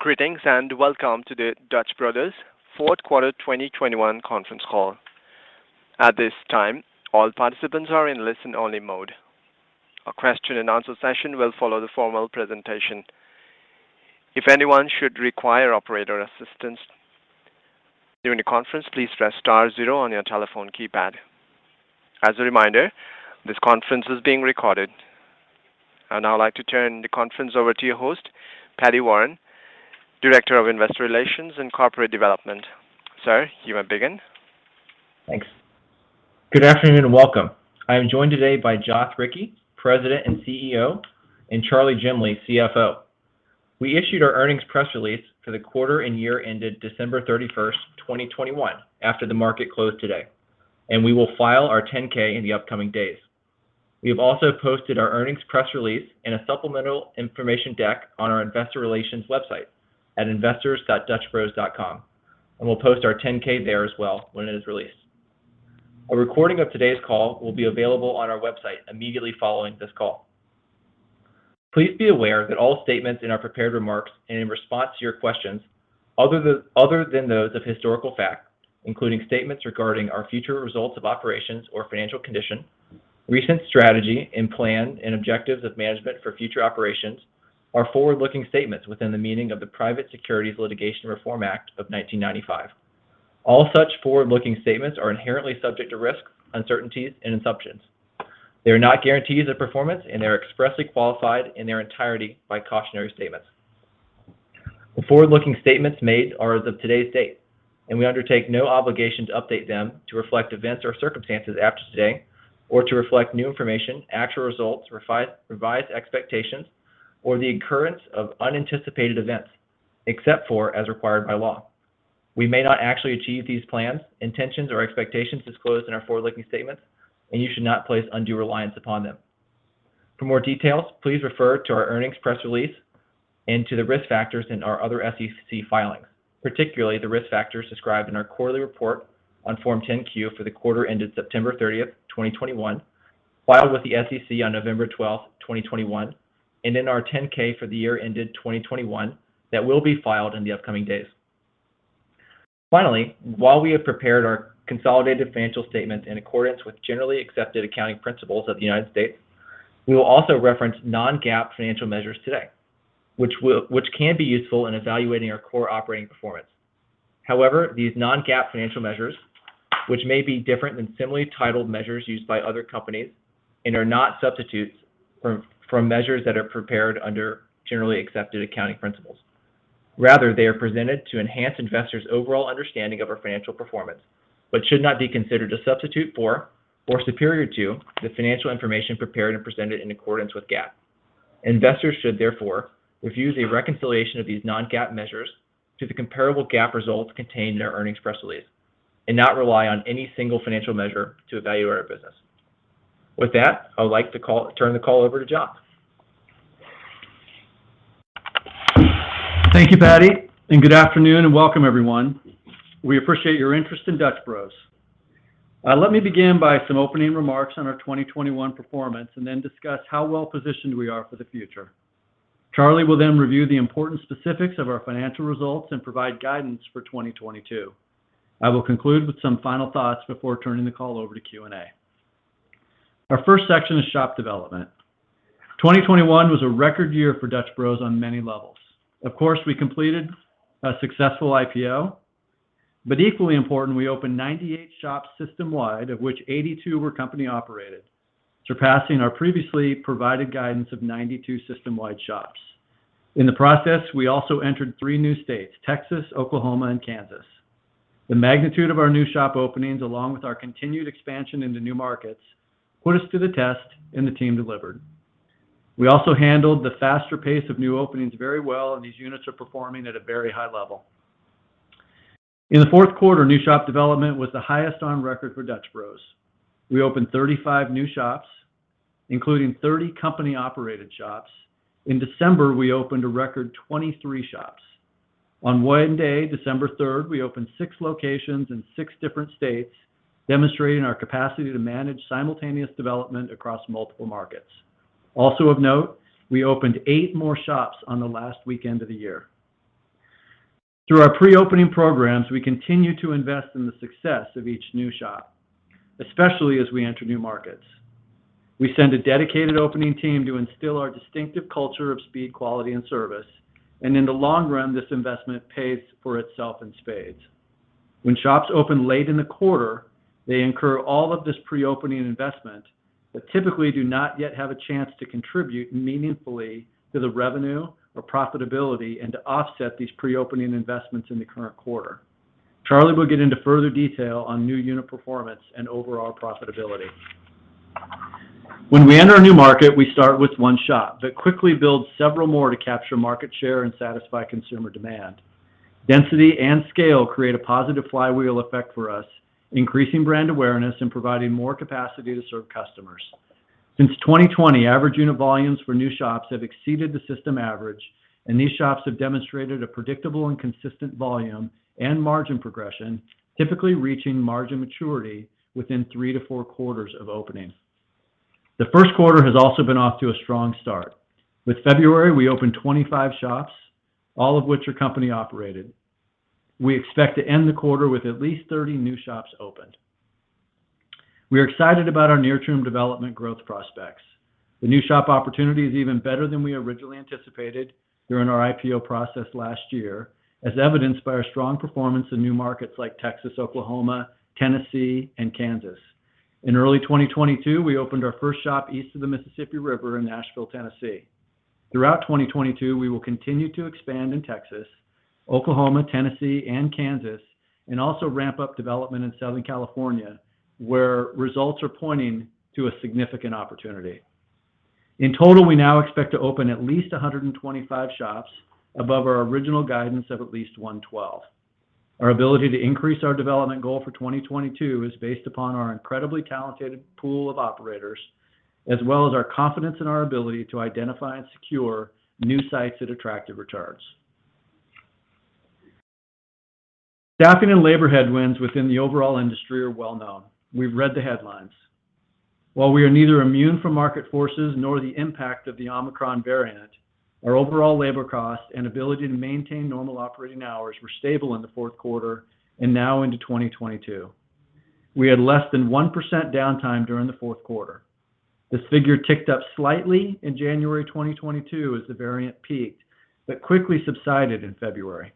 Greetings and welcome to the Dutch Bros fourth quarter 2021 conference call. At this time, all participants are in listen-only mode. A question-and-answer session will follow the formal presentation. If anyone should require operator assistance during the conference, please press star zero on your telephone keypad. As a reminder, this conference is being recorded. I'd now like to turn the conference over to your host, Paddy Warren, Director of Investor Relations and Corporate Development. Sir, you may begin. Thanks. Good afternoon and welcome. I am joined today by Joth Ricci, President and CEO, and Charles Jemley, CFO. We issued our earnings press release for the quarter and year ended December 31, 2021 after the market closed today, and we will file our 10-K in the upcoming days. We have also posted our earnings press release and a supplemental information deck on our investor relations website at investors.dutchbros.com, and we'll post our 10-K there as well when it is released. A recording of today's call will be available on our website immediately following this call. Please be aware that all statements in our prepared remarks and in response to your questions other than those of historical fact, including statements regarding our future results of operations or financial condition, recent strategy and plan and objectives of management for future operations are forward-looking statements within the meaning of the Private Securities Litigation Reform Act of 1995. All such forward-looking statements are inherently subject to risks, uncertainties and assumptions. They are not guarantees of performance and are expressly qualified in their entirety by cautionary statements. The forward-looking statements made are as of today's date, and we undertake no obligation to update them to reflect events or circumstances after today or to reflect new information, actual results, revised expectations, or the occurrence of unanticipated events, except as required by law. We may not actually achieve these plans, intentions, or expectations disclosed in our forward-looking statements, and you should not place undue reliance upon them. For more details, please refer to our earnings press release and to the risk factors in our other SEC filings, particularly the risk factors described in our quarterly report on Form 10-Q for the quarter ended September 30, 2021, filed with the SEC on November 12, 2021, and in our 10-K for the year ended 2021 that will be filed in the upcoming days. Finally, while we have prepared our consolidated financial statements in accordance with generally accepted accounting principles of the United States, we will also reference non-GAAP financial measures today, which can be useful in evaluating our core operating performance. However, these non-GAAP financial measures, which may be different than similarly titled measures used by other companies and are not substitutes for measures that are prepared under generally accepted accounting principles. Rather, they are presented to enhance investors' overall understanding of our financial performance, but should not be considered a substitute for or superior to the financial information prepared and presented in accordance with GAAP. Investors should therefore review the reconciliation of these non-GAAP measures to the comparable GAAP results contained in our earnings press release and not rely on any single financial measure to evaluate our business. With that, I would like to turn the call over to Joth. Thank you, Paddy, and good afternoon and welcome everyone. We appreciate your interest in Dutch Bros. Let me begin by some opening remarks on our 2021 performance and then discuss how well positioned we are for the future. Charlie will then review the important specifics of our financial results and provide guidance for 2022. I will conclude with some final thoughts before turning the call over to Q&A. Our first section is shop development. 2021 was a record year for Dutch Bros. on many levels. Of course, we completed a successful IPO, but equally important, we opened 98 shops system wide, of which 82 were company operated, surpassing our previously provided guidance of 92 system wide shops. In the process, we also entered three new states, Texas, Oklahoma and Kansas. The magnitude of our new shop openings, along with our continued expansion into new markets, put us to the test and the team delivered. We also handled the faster pace of new openings very well, and these units are performing at a very high level. In the fourth quarter, new shop development was the highest on record for Dutch Bros. We opened 35 new shops, including 30 company operated shops. In December, we opened a record 23 shops. On one day, December 3rd, we opened six locations in six different states, demonstrating our capacity to manage simultaneous development across multiple markets. Also of note, we opened eight more shops on the last weekend of the year. Through our pre-opening programs, we continue to invest in the success of each new shop, especially as we enter new markets. We send a dedicated opening team to instill our distinctive culture of speed, quality and service. In the long run, this investment pays for itself in spades. When shops open late in the quarter, they incur all of this pre-opening investment, but typically do not yet have a chance to contribute meaningfully to the revenue or profitability and to offset these pre-opening investments in the current quarter. Charlie will get into further detail on new unit performance and overall profitability. When we enter a new market, we start with one shop, but quickly build several more to capture market share and satisfy consumer demand. Density and scale create a positive flywheel effect for us, increasing brand awareness and providing more capacity to serve customers. Since 2020, average unit volumes for new shops have exceeded the system average, and these shops have demonstrated a predictable and consistent volume and margin progression, typically reaching margin maturity within three to four quarters of opening. The first quarter has also been off to a strong start. With February, we opened 25 shops, all of which are company operated. We expect to end the quarter with at least 30 new shops opened. We are excited about our near-term development growth prospects. The new shop opportunity is even better than we originally anticipated during our IPO process last year, as evidenced by our strong performance in new markets like Texas, Oklahoma, Tennessee, and Kansas. In early 2022, we opened our first shop east of the Mississippi River in Nashville, Tennessee. Throughout 2022, we will continue to expand in Texas, Oklahoma, Tennessee, and Kansas, and also ramp up development in Southern California, where results are pointing to a significant opportunity. In total, we now expect to open at least 125 shops above our original guidance of at least 112. Our ability to increase our development goal for 2022 is based upon our incredibly talented pool of operators, as well as our confidence in our ability to identify and secure new sites at attractive returns. Staffing and labor headwinds within the overall industry are well known. We've read the headlines. While we are neither immune from market forces nor the impact of the Omicron variant, our overall labor costs and ability to maintain normal operating hours were stable in the fourth quarter and now into 2022. We had less than 1% downtime during the fourth quarter. This figure ticked up slightly in January 2022 as the variant peaked, but quickly subsided in February.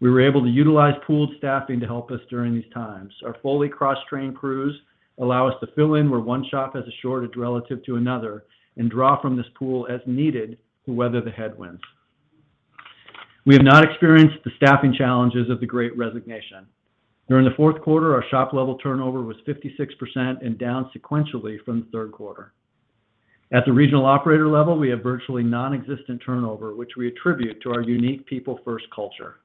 We were able to utilize pooled staffing to help us during these times. Our fully cross-trained crews allow us to fill in where one shop has a shortage relative to another and draw from this pool as needed to weather the headwinds. We have not experienced the staffing challenges of the great resignation. During the fourth quarter, our shop level turnover was 56% and down sequentially from the third quarter. At the regional operator level, we have virtually non-existent turnover, which we attribute to our unique people first culture,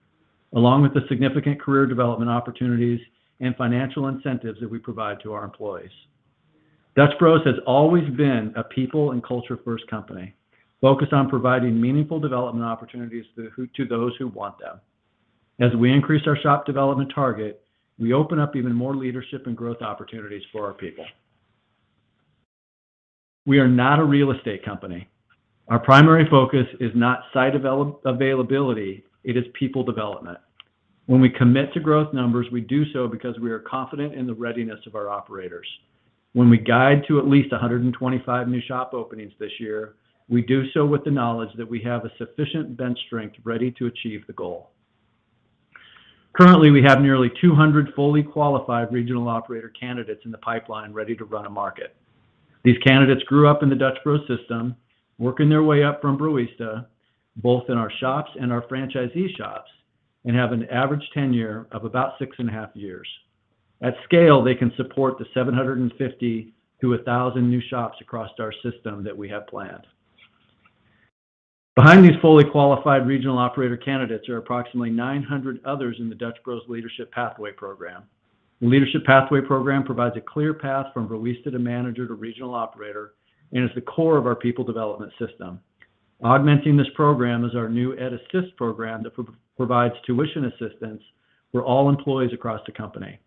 along with the significant career development opportunities and financial incentives that we provide to our employees. Dutch Bros has always been a people and culture first company focused on providing meaningful development opportunities to those who want them. As we increase our shop development target, we open up even more leadership and growth opportunities for our people. We are not a real estate company. Our primary focus is not site availability. It is people development. When we commit to growth numbers, we do so because we are confident in the readiness of our operators. When we guide to at least 125 new shop openings this year, we do so with the knowledge that we have a sufficient bench strength ready to achieve the goal. Currently, we have nearly 200 fully qualified regional operator candidates in the pipeline ready to run a market. These candidates grew up in the Dutch Bros system, working their way up from Broista, both in our shops and our franchisee shops, and have an average tenure of about 6.5 years. At scale, they can support the 750-1,000 new shops across our system that we have planned. Behind these fully qualified regional operator candidates are approximately 900 others in the Shop Leadership Pathway. The Shop Leadership Pathway provides a clear path from Broista to manager to regional operator, and is the core of our people development system. Augmenting this program is our new EdAssist program that provides tuition assistance for all employees across the company.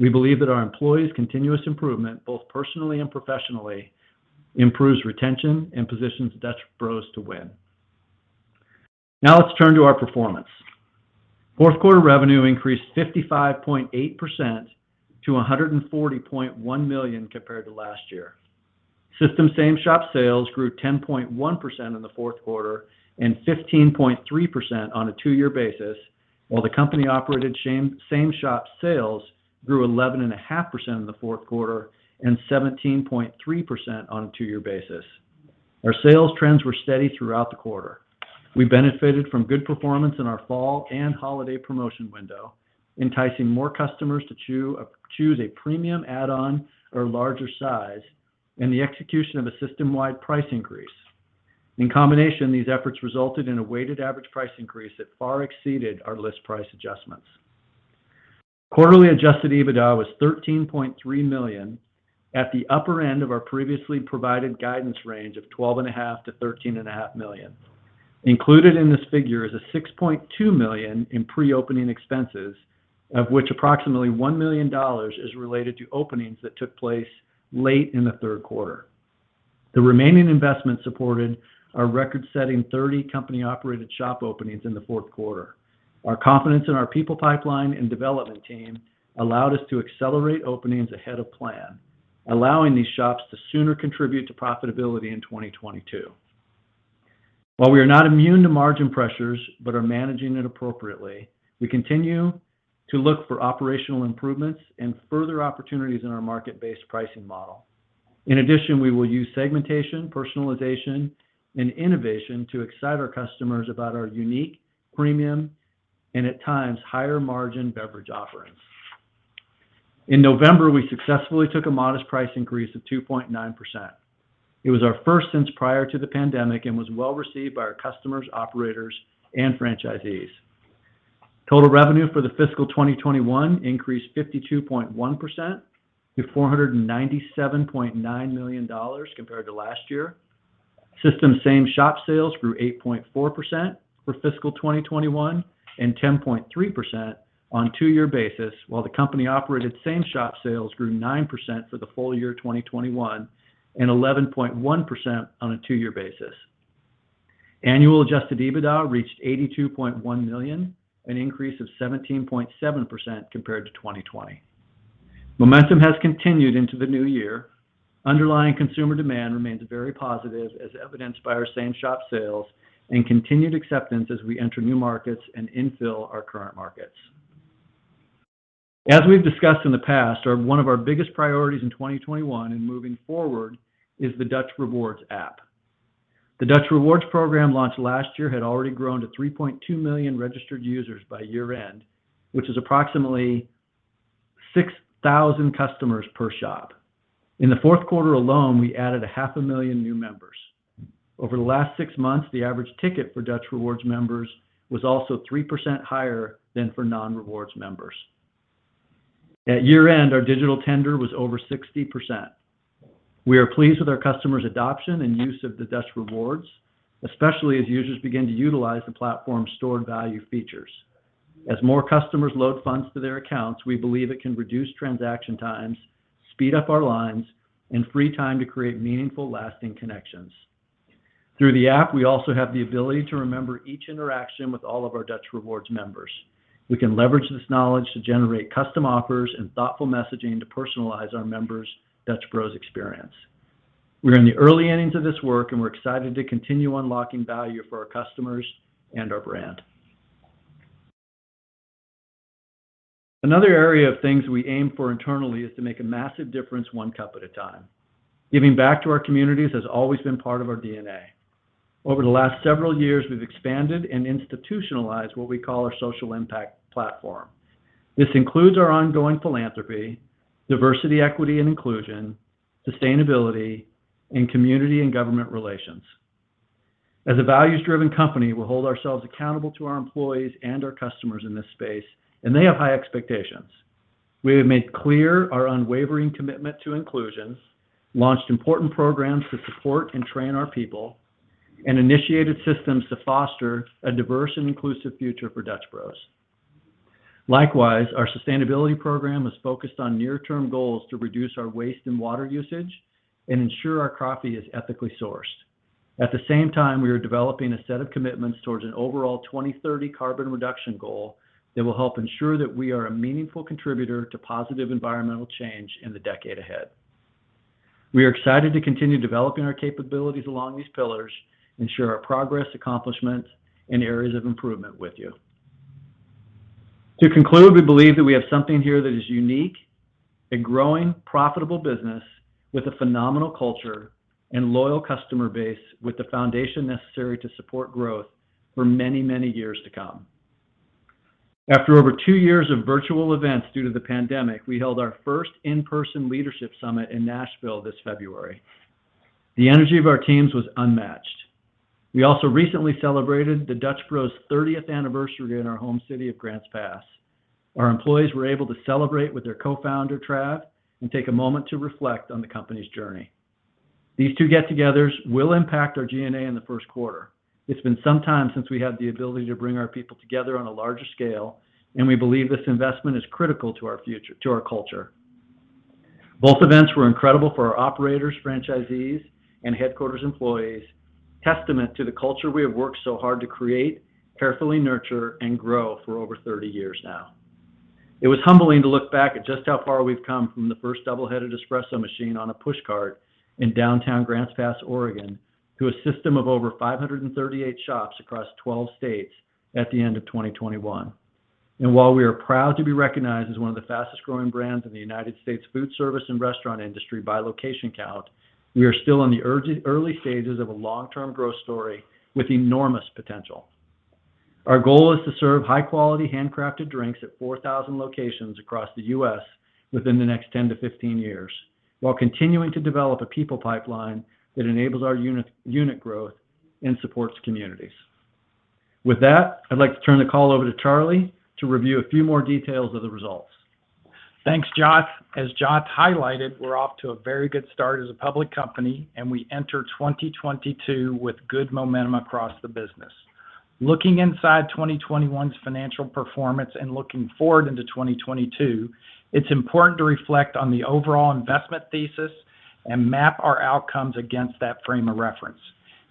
We believe that our employees' continuous improvement, both personally and professionally, improves retention and positions Dutch Bros to win. Now let's turn to our performance. Fourth quarter revenue increased 55.8% to $140.1 million compared to last year. System same-shop sales grew 10.1% in the fourth quarter and 15.3% on a two-year basis, while company-operated same-shop sales grew 11.5% in the fourth quarter and 17.3% on a two-year basis. Our sales trends were steady throughout the quarter. We benefited from good performance in our fall and holiday promotion window, enticing more customers to choose a premium add-on or larger size and the execution of a system-wide price increase. In combination, these efforts resulted in a weighted average price increase that far exceeded our list price adjustments. Quarterly adjusted EBITDA was $13.3 million at the upper end of our previously provided guidance range of $12.5 million-$13.5 million. Included in this figure is $6.2 million in pre-opening expenses, of which approximately $1 million is related to openings that took place late in the third quarter. The remaining investment supported our record-setting 30 company-operated shop openings in the fourth quarter. Our confidence in our people pipeline and development team allowed us to accelerate openings ahead of plan, allowing these shops to sooner contribute to profitability in 2022. While we are not immune to margin pressures but are managing it appropriately, we continue to look for operational improvements and further opportunities in our market-based pricing model. In addition, we will use segmentation, personalization, and innovation to excite our customers about our unique premium and at times higher margin beverage offerings. In November, we successfully took a modest price increase of 2.9%. It was our first since prior to the pandemic and was well received by our customers, operators, and franchisees. Total revenue for the fiscal 2021 increased 52.1% to $497.9 million compared to last year. System same-store sales grew 8.4% for fiscal 2021 and 10.3% on two-year basis while the company-operated same-store sales grew 9% for the full year 2021 and 11.1% on a two-year basis. Annual adjusted EBITDA reached $82.1 million, an increase of 17.7% compared to 2020. Momentum has continued into the new year. Underlying consumer demand remains very positive as evidenced by our same shop sales and continued acceptance as we enter new markets and infill our current markets. As we've discussed in the past, one of our biggest priorities in 2021 and moving forward is the Dutch Rewards app. The Dutch Rewards program launched last year had already grown to 3.2 million registered users by year end, which is approximately 6,000 customers per shop. In the fourth quarter alone, we added 0.5 million new members. Over the last six months, the average ticket for Dutch Rewards members was also 3% higher than for non-rewards members. At year end, our digital tender was over 60%. We are pleased with our customers' adoption and use of the Dutch Rewards, especially as users begin to utilize the platform's stored value features. As more customers load funds to their accounts, we believe it can reduce transaction times, speed up our lines, and free time to create meaningful, lasting connections. Through the app, we also have the ability to remember each interaction with all of our Dutch Rewards members. We can leverage this knowledge to generate custom offers and thoughtful messaging to personalize our members' Dutch Bros experience. We're in the early innings of this work, and we're excited to continue unlocking value for our customers and our brand. Another area of things we aim for internally is to make a massive difference one cup at a time. Giving back to our communities has always been part of our DNA. Over the last several years, we've expanded and institutionalized what we call our social impact platform. This includes our ongoing philanthropy, diversity, equity and inclusion, sustainability, and community and government relations. As a values-driven company, we hold ourselves accountable to our employees and our customers in this space, and they have high expectations. We have made clear our unwavering commitment to inclusion, launched important programs to support and train our people, and initiated systems to foster a diverse and inclusive future for Dutch Bros. Likewise, our sustainability program is focused on near-term goals to reduce our waste and water usage and ensure our coffee is ethically sourced. At the same time, we are developing a set of commitments towards an overall 2030 carbon reduction goal that will help ensure that we are a meaningful contributor to positive environmental change in the decade ahead. We are excited to continue developing our capabilities along these pillars and share our progress, accomplishments, and areas of improvement with you. To conclude, we believe that we have something here that is unique, a growing profitable business with a phenomenal culture and loyal customer base with the foundation necessary to support growth for many, many years to come. After over two years of virtual events due to the pandemic, we held our first in-person leadership summit in Nashville this February. The energy of our teams was unmatched. We also recently celebrated the Dutch Bros thirtieth anniversary in our home city of Grants Pass. Our employees were able to celebrate with their co-founder, Trav, and take a moment to reflect on the company's journey. These two get-togethers will impact our G&A in the first quarter. It's been some time since we had the ability to bring our people together on a larger scale, and we believe this investment is critical to our future, to our culture. Both events were incredible for our operators, franchisees, and headquarters employees, testament to the culture we have worked so hard to create, carefully nurture, and grow for over 30 years now. It was humbling to look back at just how far we've come from the first double-headed espresso machine on a push cart in downtown Grants Pass, Oregon, to a system of over 538 shops across 12 states at the end of 2021. While we are proud to be recognized as one of the fastest growing brands in the United States food service and restaurant industry by location count, we are still in the early stages of a long-term growth story with enormous potential. Our goal is to serve high quality handcrafted drinks at 4,000 locations across the U.S. within the next 10-15 years while continuing to develop a people pipeline that enables our unit growth and supports communities. With that, I'd like to turn the call over to Charlie to review a few more details of the results. Thanks, Joth. As Joth highlighted, we're off to a very good start as a public company, and we enter 2022 with good momentum across the business. Looking inside 2021's financial performance and looking forward into 2022, it's important to reflect on the overall investment thesis and map our outcomes against that frame of reference.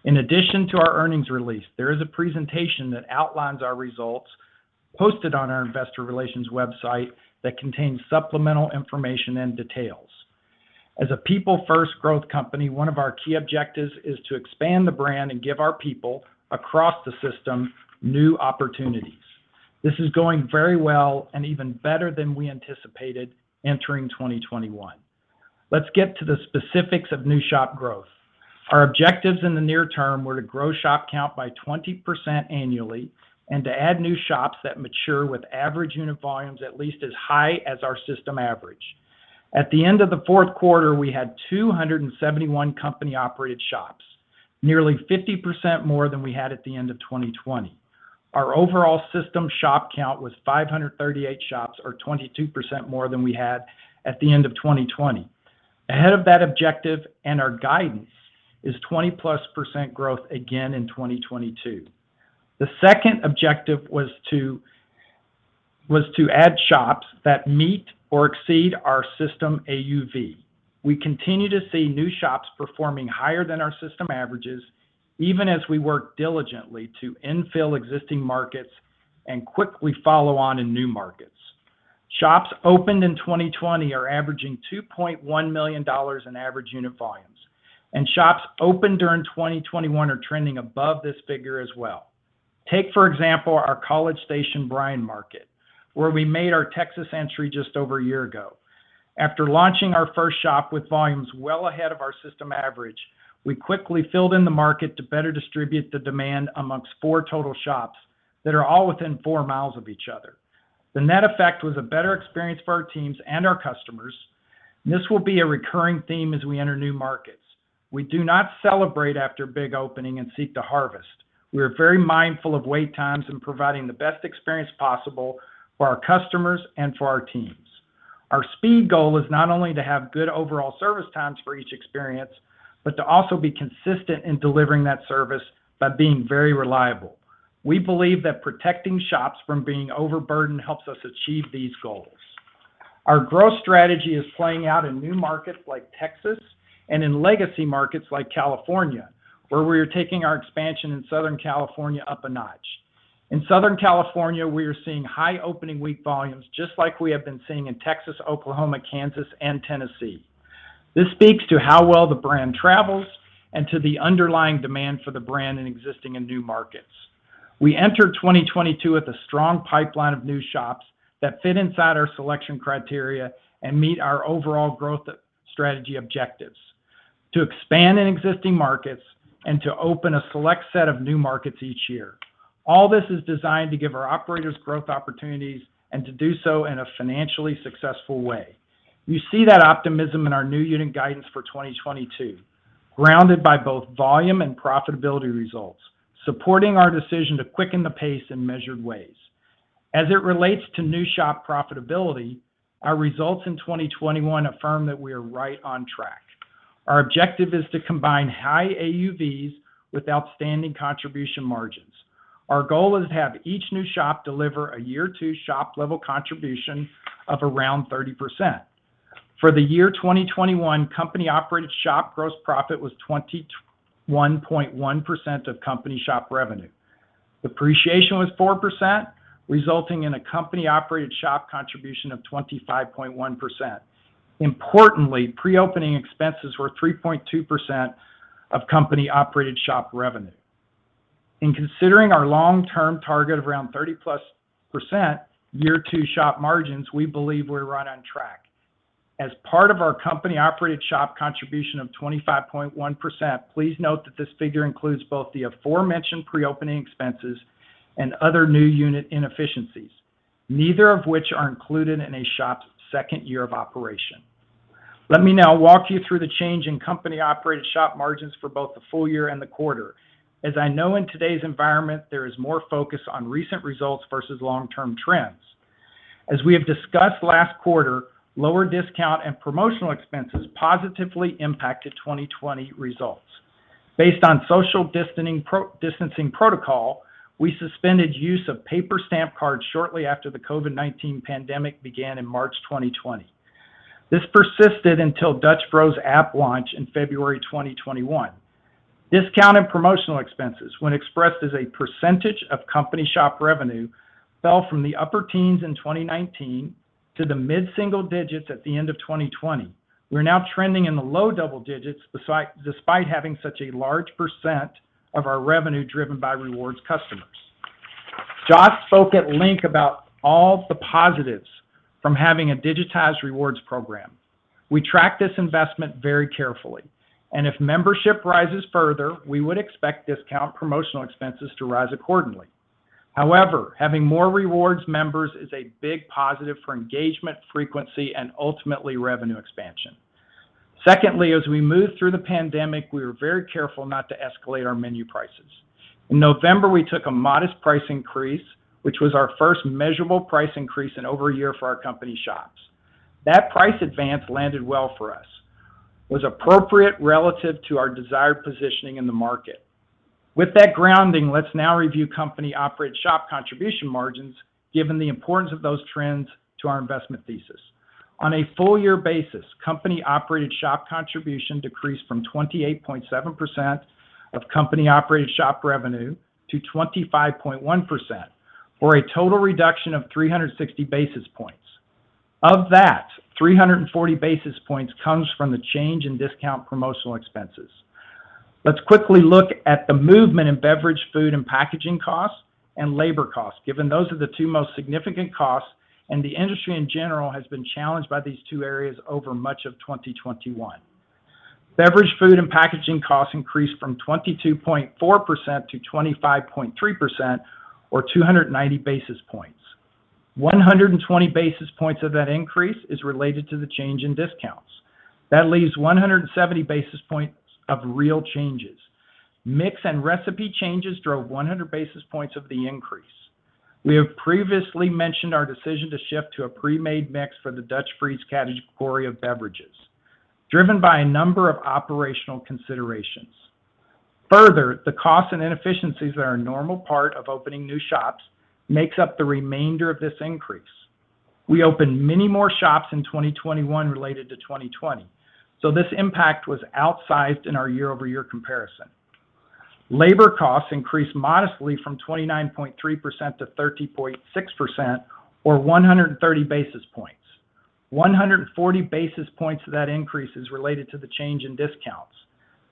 In addition to our earnings release, there is a presentation that outlines our results posted on our investor relations website that contains supplemental information and details. As a people first growth company, one of our key objectives is to expand the brand and give our people across the system new opportunities. This is going very well and even better than we anticipated entering 2021. Let's get to the specifics of new shop growth. Our objectives in the near term were to grow shop count by 20% annually and to add new shops that mature with average unit volumes at least as high as our system average. At the end of the fourth quarter, we had 271 company-operated shops, nearly 50% more than we had at the end of 2020. Our overall system shop count was 538 shops, or 22% more than we had at the end of 2020. Ahead of that objective and our guidance is 20%+ growth again in 2022. The second objective was to add shops that meet or exceed our system AUV. We continue to see new shops performing higher than our system averages, even as we work diligently to infill existing markets and quickly follow on in new markets. Shops opened in 2020 are averaging $2.1 million in average unit volumes, and shops opened during 2021 are trending above this figure as well. Take, for example, our College Station Bryan market, where we made our Texas entry just over a year ago. After launching our first shop with volumes well ahead of our system average, we quickly filled in the market to better distribute the demand amongst four total shops that are all within four miles of each other. The net effect was a better experience for our teams and our customers. This will be a recurring theme as we enter new markets. We do not celebrate after big opening and seek to harvest. We are very mindful of wait times and providing the best experience possible for our customers and for our teams. Our speed goal is not only to have good overall service times for each experience, but to also be consistent in delivering that service by being very reliable. We believe that protecting shops from being overburdened helps us achieve these goals. Our growth strategy is playing out in new markets like Texas and in legacy markets like California, where we are taking our expansion in Southern California up a notch. In Southern California, we are seeing high opening week volumes, just like we have been seeing in Texas, Oklahoma, Kansas, and Tennessee. This speaks to how well the brand travels and to the underlying demand for the brand in existing and new markets. We enter 2022 with a strong pipeline of new shops that fit inside our selection criteria and meet our overall growth strategy objectives to expand in existing markets and to open a select set of new markets each year. All this is designed to give our operators growth opportunities and to do so in a financially successful way. You see that optimism in our new unit guidance for 2022, grounded by both volume and profitability results, supporting our decision to quicken the pace in measured ways. As it relates to new shop profitability, our results in 2021 affirm that we are right on track. Our objective is to combine high AUVs with outstanding contribution margins. Our goal is to have each new shop deliver a year two shop level contribution of around 30%. For the year 2021, company-operated shop gross profit was 21.1% of company shop revenue. Depreciation was 4%, resulting in a company-operated shop contribution of 25.1%. Importantly, pre-opening expenses were 3.2% of company-operated shop revenue. In considering our long-term target of around 30%+ year two shop margins, we believe we're right on track. As part of our company-operated shop contribution of 25.1%, please note that this figure includes both the aforementioned pre-opening expenses and other new unit inefficiencies, neither of which are included in a shop's second year of operation. Let me now walk you through the change in company-operated shop margins for both the full year and the quarter. As I know in today's environment, there is more focus on recent results versus long-term trends. As we have discussed last quarter, lower discount and promotional expenses positively impacted 2020 results. Based on social distancing protocol, we suspended use of paper stamp cards shortly after the COVID-19 pandemic began in March 2020. This persisted until Dutch Bros app launch in February 2021. Discount and promotional expenses, when expressed as a percentage of company shop revenue, fell from the upper teens in 2019 to the mid-single digits at the end of 2020. We're now trending in the low double digits, despite having such a large percent of our revenue driven by rewards customers. Joth spoke at Link about all the positives from having a digitized rewards program. We track this investment very carefully, and if membership rises further, we would expect discount promotional expenses to rise accordingly. However, having more rewards members is a big positive for engagement, frequency, and ultimately revenue expansion. Secondly, as we moved through the pandemic, we were very careful not to escalate our menu prices. In November, we took a modest price increase, which was our first measurable price increase in over a year for our company shops. That price advance landed well for us. It was appropriate relative to our desired positioning in the market. With that grounding, let's now review company-operated shop contribution margins, given the importance of those trends to our investment thesis. On a full year basis, company-operated shop contribution decreased from 28.7% of company-operated shop revenue to 25.1%, or a total reduction of 360 basis points. Of that, 340 basis points comes from the change in discount promotional expenses. Let's quickly look at the movement in beverage, food, and packaging costs and labor costs, given those are the two most significant costs, and the industry in general has been challenged by these two areas over much of 2021. Beverage, food, and packaging costs increased from 22.4%-25.3%, or 290 basis points. 120 basis points of that increase is related to the change in discounts. That leaves 170 basis points of real changes. Mix and recipe changes drove 100 basis points of the increase. We have previously mentioned our decision to shift to a pre-made mix for the Dutch Freeze category of beverages, driven by a number of operational considerations. Further, the costs and inefficiencies that are a normal part of opening new shops makes up the remainder of this increase. We opened many more shops in 2021 related to 2020, so this impact was outsized in our year-over-year comparison. Labor costs increased modestly from 29.3% to 30.6% or 130 basis points. 140 basis points of that increase is related to the change in discounts.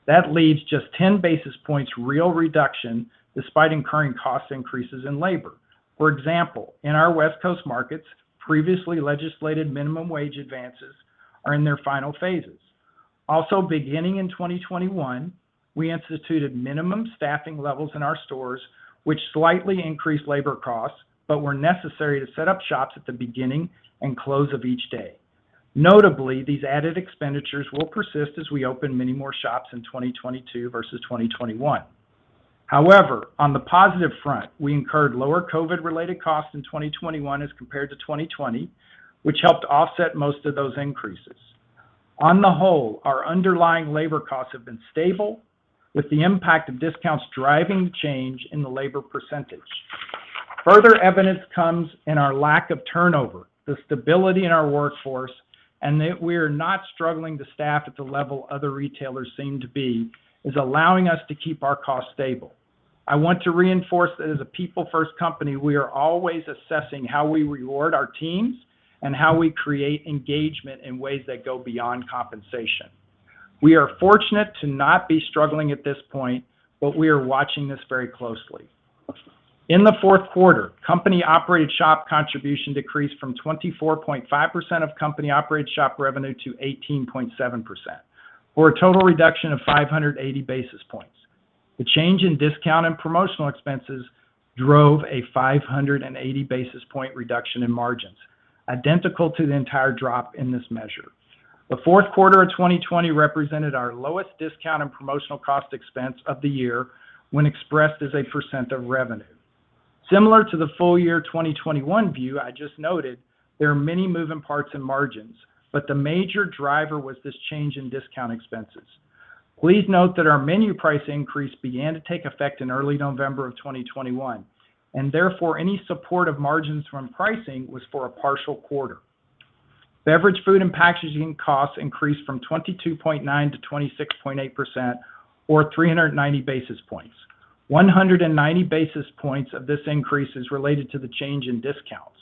That leaves just 10 basis points real reduction despite incurring cost increases in labor. For example, in our West Coast markets, previously legislated minimum wage advances are in their final phases. Beginning in 2021, we instituted minimum staffing levels in our stores, which slightly increased labor costs but were necessary to set up shops at the beginning and close of each day. Notably, these added expenditures will persist as we open many more shops in 2022 versus 2021. However, on the positive front, we incurred lower COVID-related costs in 2021 as compared to 2020, which helped offset most of those increases. On the whole, our underlying labor costs have been stable, with the impact of discounts driving change in the labor percentage. Further evidence comes in our lack of turnover, the stability in our workforce, and that we are not struggling to staff at the level other retailers seem to be, is allowing us to keep our costs stable. I want to reinforce that as a people-first company, we are always assessing how we reward our teams and how we create engagement in ways that go beyond compensation. We are fortunate to not be struggling at this point, but we are watching this very closely. In the fourth quarter, company-operated shop contribution decreased from 24.5% of company-operated shop revenue to 18.7%, or a total reduction of 580 basis points. The change in discount and promotional expenses drove a 580 basis point reduction in margins, identical to the entire drop in this measure. The fourth quarter of 2020 represented our lowest discount and promotional cost expense of the year when expressed as a percent of revenue. Similar to the full year 2021 view I just noted, there are many moving parts in margins, but the major driver was this change in discount expenses. Please note that our menu price increase began to take effect in early November of 2021, and therefore, any support of margins from pricing was for a partial quarter. Beverage, food, and packaging costs increased from 22.9%-26.8% or 390 basis points. 190 basis points of this increase is related to the change in discounts.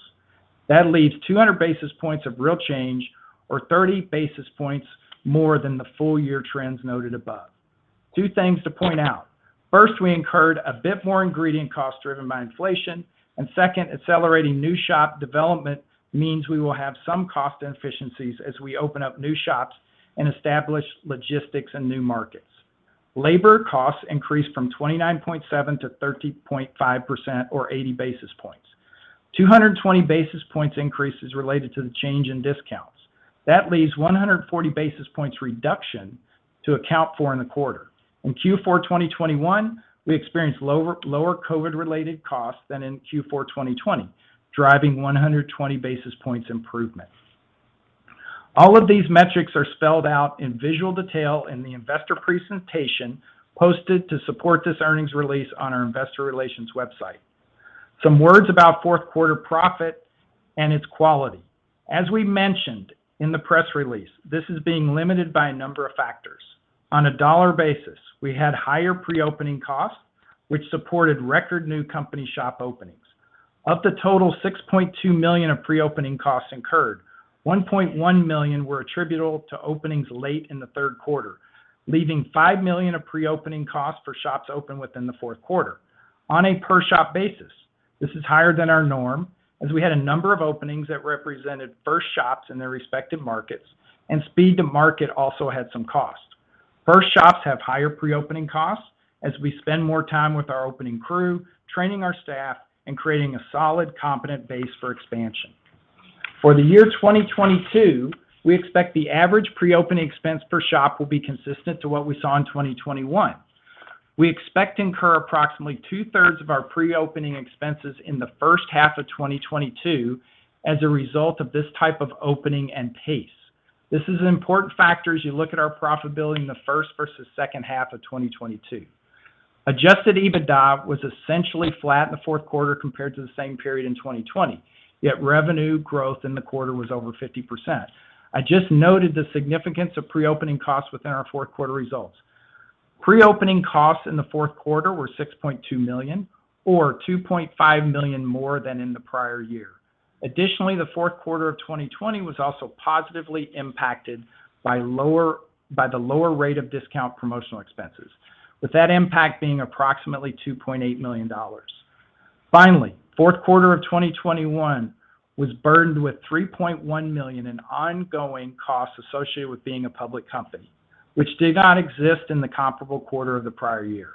That leaves 200 basis points of real change or 30 basis points more than the full year trends noted above. Two things to point out. First, we incurred a bit more ingredient costs driven by inflation. Second, accelerating new shop development means we will have some cost inefficiencies as we open up new shops and establish logistics in new markets. Labor costs increased from 29.7%-30.5% or 80 basis points. 220 basis points increase is related to the change in discounts. That leaves 140 basis points reduction to account for in the quarter. In Q4 2021, we experienced lower COVID-related costs than in Q4 2020, driving 120 basis points improvement. All of these metrics are spelled out in visual detail in the investor presentation posted to support this earnings release on our investor relations website. Some words about fourth quarter profit and its quality. As we mentioned in the press release, this is being limited by a number of factors. On a dollar basis, we had higher pre-opening costs, which supported record new company shop openings. Of the total $6.2 million of pre-opening costs incurred, $1.1 million were attributable to openings late in the third quarter, leaving $5 million of pre-opening costs for shops opened within the fourth quarter. On a per shop basis, this is higher than our norm, as we had a number of openings that represented first shops in their respective markets, and speed to market also had some cost. First shops have higher pre-opening costs as we spend more time with our opening crew, training our staff, and creating a solid, competent base for expansion. For the year 2022, we expect the average pre-opening expense per shop will be consistent to what we saw in 2021. We expect to incur approximately two-thirds of our pre-opening expenses in the first half of 2022 as a result of this type of opening and pace. This is an important factor as you look at our profitability in the first versus second half of 2022. Adjusted EBITDA was essentially flat in the fourth quarter compared to the same period in 2020, yet revenue growth in the quarter was over 50%. I just noted the significance of pre-opening costs within our fourth quarter results. Pre-opening costs in the fourth quarter were $6.2 million or $2.5 million more than in the prior year. Additionally, the fourth quarter of 2020 was also positively impacted by the lower rate of discount promotional expenses, with that impact being approximately $2.8 million. Finally, fourth quarter of 2021 was burdened with $3.1 million in ongoing costs associated with being a public company, which did not exist in the comparable quarter of the prior year.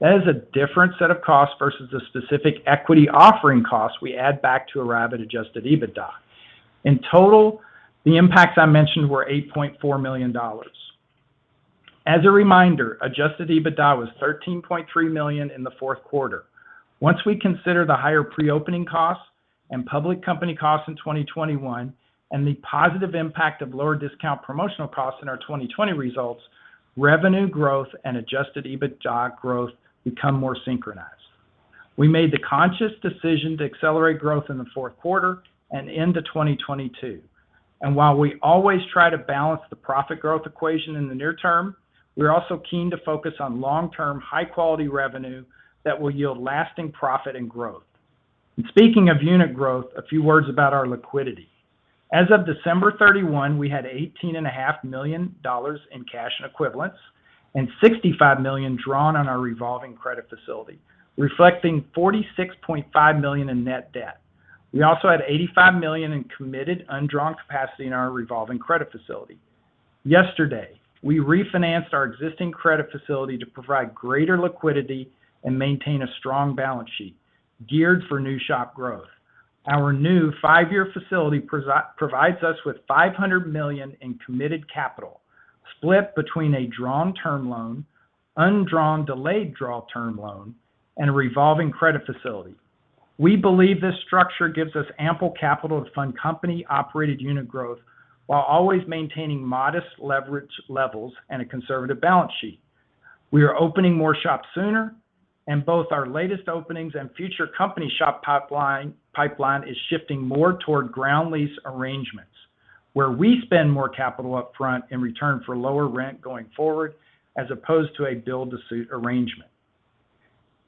That is a different set of costs versus the specific equity offering costs we add back to arrive at adjusted EBITDA. In total, the impacts I mentioned were $8.4 million. As a reminder, adjusted EBITDA was $13.3 million in the fourth quarter. Once we consider the higher pre-opening costs and public company costs in 2021 and the positive impact of lower discount promotional costs in our 2020 results, revenue growth and adjusted EBITDA growth become more synchronized. We made the conscious decision to accelerate growth in the fourth quarter and into 2022. While we always try to balance the profit growth equation in the near term, we're also keen to focus on long-term, high-quality revenue that will yield lasting profit and growth. Speaking of unit growth, a few words about our liquidity. As of December 31, we had $18.5 million in cash and equivalents and $65 million drawn on our revolving credit facility, reflecting $46.5 million in net debt. We also had $85 million in committed undrawn capacity in our revolving credit facility. Yesterday, we refinanced our existing credit facility to provide greater liquidity and maintain a strong balance sheet geared for new shop growth. Our new five-year facility provides us with $500 million in committed capital, split between a drawn term loan, undrawn delayed draw term loan, and a revolving credit facility. We believe this structure gives us ample capital to fund company operated unit growth while always maintaining modest leverage levels and a conservative balance sheet. We are opening more shops sooner, and both our latest openings and future company shop pipeline is shifting more toward ground lease arrangements, where we spend more capital up front in return for lower rent going forward, as opposed to a build to suit arrangement.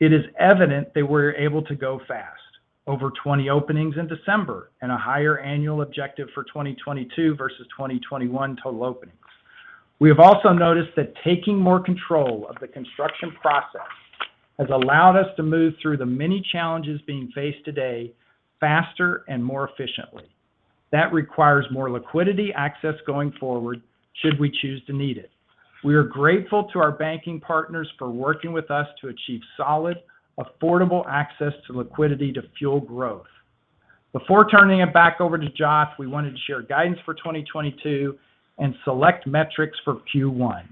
It is evident that we're able to go fast, over 20 openings in December and a higher annual objective for 2022 versus 2021 total openings. We have also noticed that taking more control of the construction process has allowed us to move through the many challenges being faced today faster and more efficiently. That requires more liquidity access going forward, should we choose to need it. We are grateful to our banking partners for working with us to achieve solid, affordable access to liquidity to fuel growth. Before turning it back over to Joth, we wanted to share guidance for 2022 and select metrics for Q1.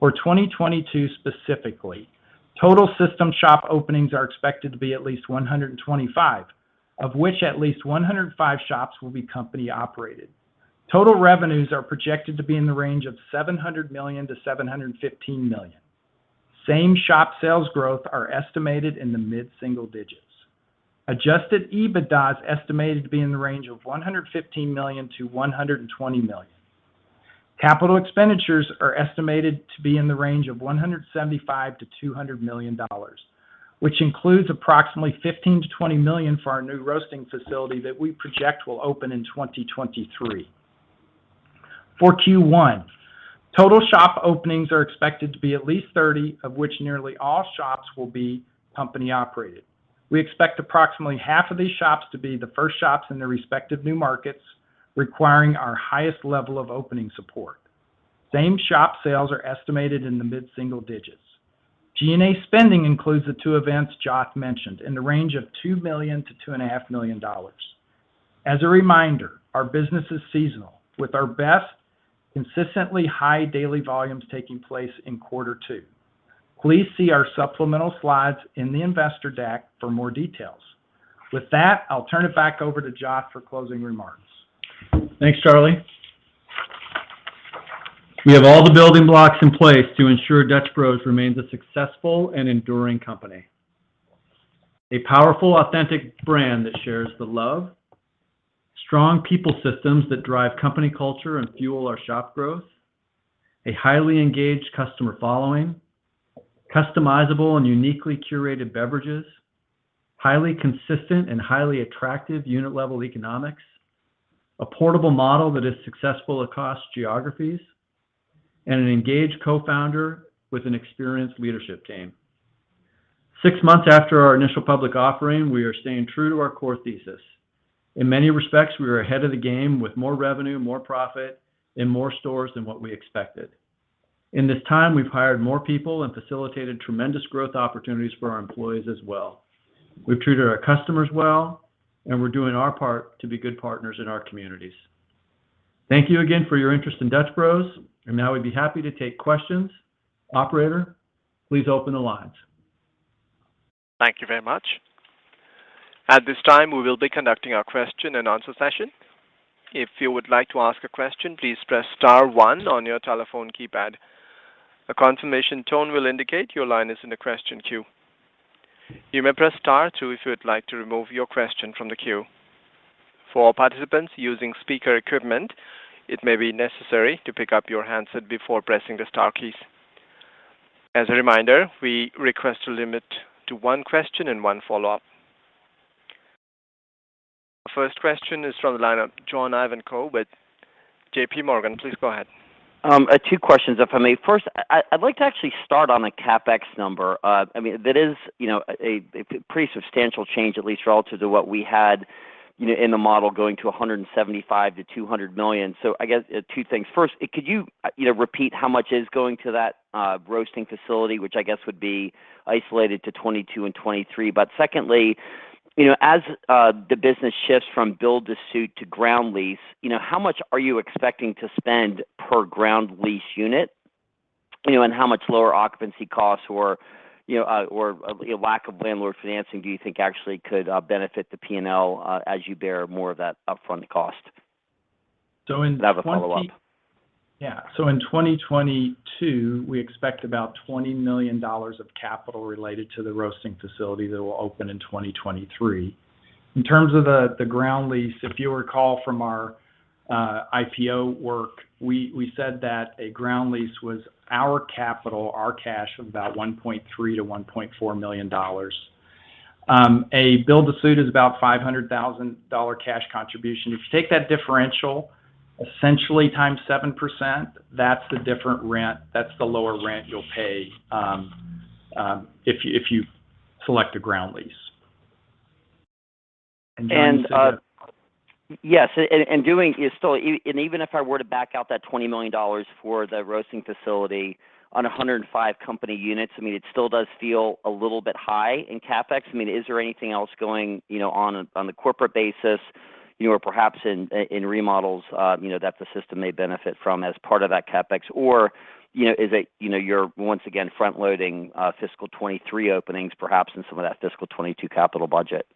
For 2022 specifically, total system shop openings are expected to be at least 125, of which at least 105 shops will be company operated. Total revenues are projected to be in the range of $700 million-$715 million. Same shop sales growth are estimated in the mid-single digits. Adjusted EBITDA is estimated to be in the range of $115 million-$120 million. Capital expenditures are estimated to be in the range of $175 million-$200 million, which includes approximately $15 million-$20 million for our new roasting facility that we project will open in 2023. For Q1, total shop openings are expected to be at least 30, of which nearly all shops will be company operated. We expect approximately half of these shops to be the first shops in their respective new markets, requiring our highest level of opening support. Same shop sales are estimated in the mid-single digits. G&A spending includes the two events Joth mentioned in the range of $2 million-$2.5 million. As a reminder, our business is seasonal, with our best consistently high daily volumes taking place in quarter two. Please see our supplemental slides in the investor deck for more details. With that, I'll turn it back over to Joth for closing remarks. Thanks, Charlie. We have all the building blocks in place to ensure Dutch Bros remains a successful and enduring company. A powerful, authentic brand that shares the love, strong people systems that drive company culture and fuel our shop growth, a highly engaged customer following, customizable and uniquely curated beverages, highly consistent and highly attractive unit level economics, a portable model that is successful across geographies, and an engaged co-founder with an experienced leadership team. Six months after our initial public offering, we are staying true to our core thesis. In many respects, we are ahead of the game with more revenue, more profit, and more stores than what we expected. In this time, we've hired more people and facilitated tremendous growth opportunities for our employees as well. We've treated our customers well, and we're doing our part to be good partners in our communities. Thank you again for your interest in Dutch Bros, and now we'd be happy to take questions. Operator, please open the lines. Thank you very much. At this time, we will be conducting our question-and-answer session. If you would like to ask a question, please press star one on your telephone keypad. A confirmation tone will indicate your line is in the question queue. You may press star two if you would like to remove your question from the queue. For participants using speaker equipment, it may be necessary to pick up your handset before pressing the star keys. As a reminder, we request to limit to one question and one follow-up. Our first question is from the line of John Ivankoe with JPMorgan. Please go ahead. Two questions, if I may. First, I'd like to actually start on a CapEx number. I mean, that is, you know, a pretty substantial change, at least relative to what we had. You know, in the model going to $175 million-$200 million. I guess two things. First, could you know, repeat how much is going to that, roasting facility, which I guess would be isolated to 2022 and 2023? Secondly, you know, as, the business shifts from build to suit to ground lease, you know, how much are you expecting to spend per ground lease unit, you know, and how much lower occupancy costs or, you know, or a lack of landlord financing do you think actually could, benefit the P&L, as you bear more of that upfront cost? in 20 I have a follow-up. Yeah. In 2022, we expect about $20 million of capital related to the roasting facility that will open in 2023. In terms of the ground lease, if you recall from our IPO work, we said that a ground lease was our capital, our cash of about $1.3-$1.4 million. A build to suit is about $500,000 cash contribution. If you take that differential, essentially times 7%, that's the difference in rent, that's the lower rent you'll pay, if you select a ground lease. Even if I were to back out that $20 million for the roasting facility on 105 company units, I mean, it still does feel a little bit high in CapEx. I mean, is there anything else going, you know, on the corporate basis, you know, or perhaps in remodels, you know, that the system may benefit from as part of that CapEx? Is it, you know, you're once again front-loading fiscal 2023 openings perhaps in some of that fiscal 2022 capital budget?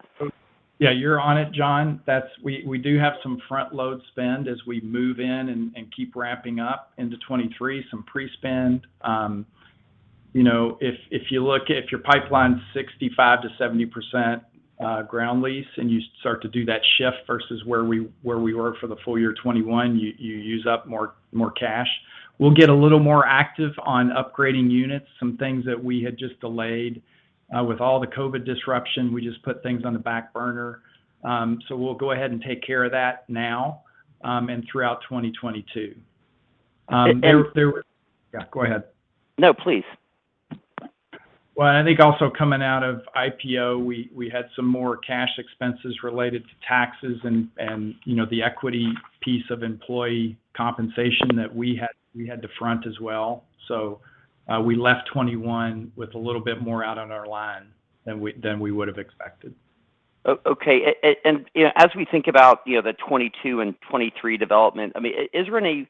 Yeah, you're on it, John. That's we do have some front-load spend as we move in and keep ramping up into 2023, some pre-spend. You know, if you look at your pipeline 65%-70% ground lease, and you start to do that shift versus where we were for the full year 2021, you use up more cash. We'll get a little more active on upgrading units, some things that we had just delayed. With all the COVID disruption, we just put things on the back burner. We'll go ahead and take care of that now, and throughout 2022. And- Yeah, go ahead. No, please. Well, I think also coming out of IPO, we had some more cash expenses related to taxes and, you know, the equity piece of employee compensation that we had to front as well. So we left 2021 with a little bit more out on our line than we would have expected. Okay. You know, as we think about, you know, the 2022 and 2023 development, I mean, is there any, you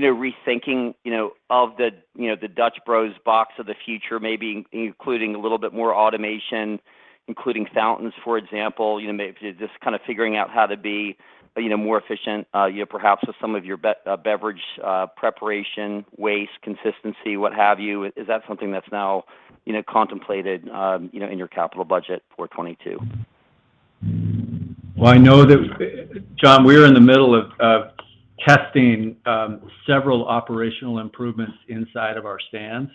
know, rethinking, you know, of the, you know, the Dutch Bros box of the future, maybe including a little bit more automation, including fountains, for example, you know, just kind of figuring out how to be, you know, more efficient, you know, perhaps with some of your beverage preparation, waste, consistency, what have you? Is that something that's now, you know, contemplated, you know, in your capital budget for 2022? Well, I know that, John, we're in the middle of testing several operational improvements inside of our stands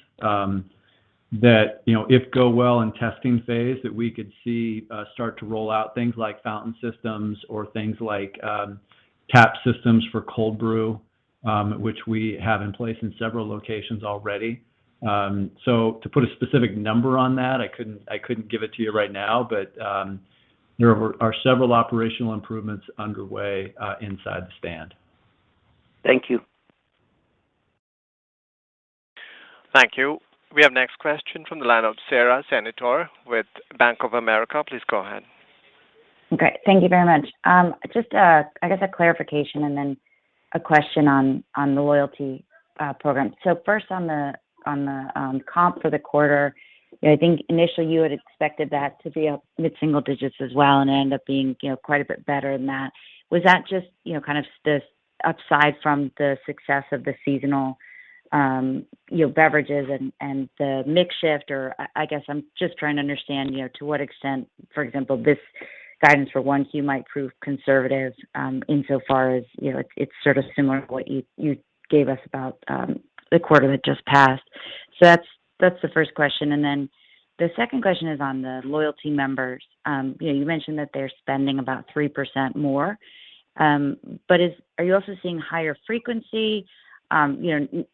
that, you know, if go well in testing phase, that we could see start to roll out things like fountain systems or things like tap systems for cold brew, which we have in place in several locations already. To put a specific number on that, I couldn't give it to you right now, but there are several operational improvements underway inside the stand. Thank you. Thank you. We have next question from the line of Sara Senatore with Bank of America. Please go ahead. Great. Thank you very much. Just a clarification and then a question on the loyalty program. So first on the comp for the quarter, you know, I think initially you had expected that to be mid-single digits as well, and it ended up being, you know, quite a bit better than that. Was that just, you know, kind of this upside from the success of the seasonal beverages and the mix shift, or I guess I'm just trying to understand, you know, to what extent, for example, this guidance for Q1 you might prove conservative, insofar as, you know, it's sort of similar to what you gave us about the quarter that just passed. So that's the first question. And then the second question is on the loyalty members. You know, you mentioned that they're spending about 3% more. But are you also seeing higher frequency? You know,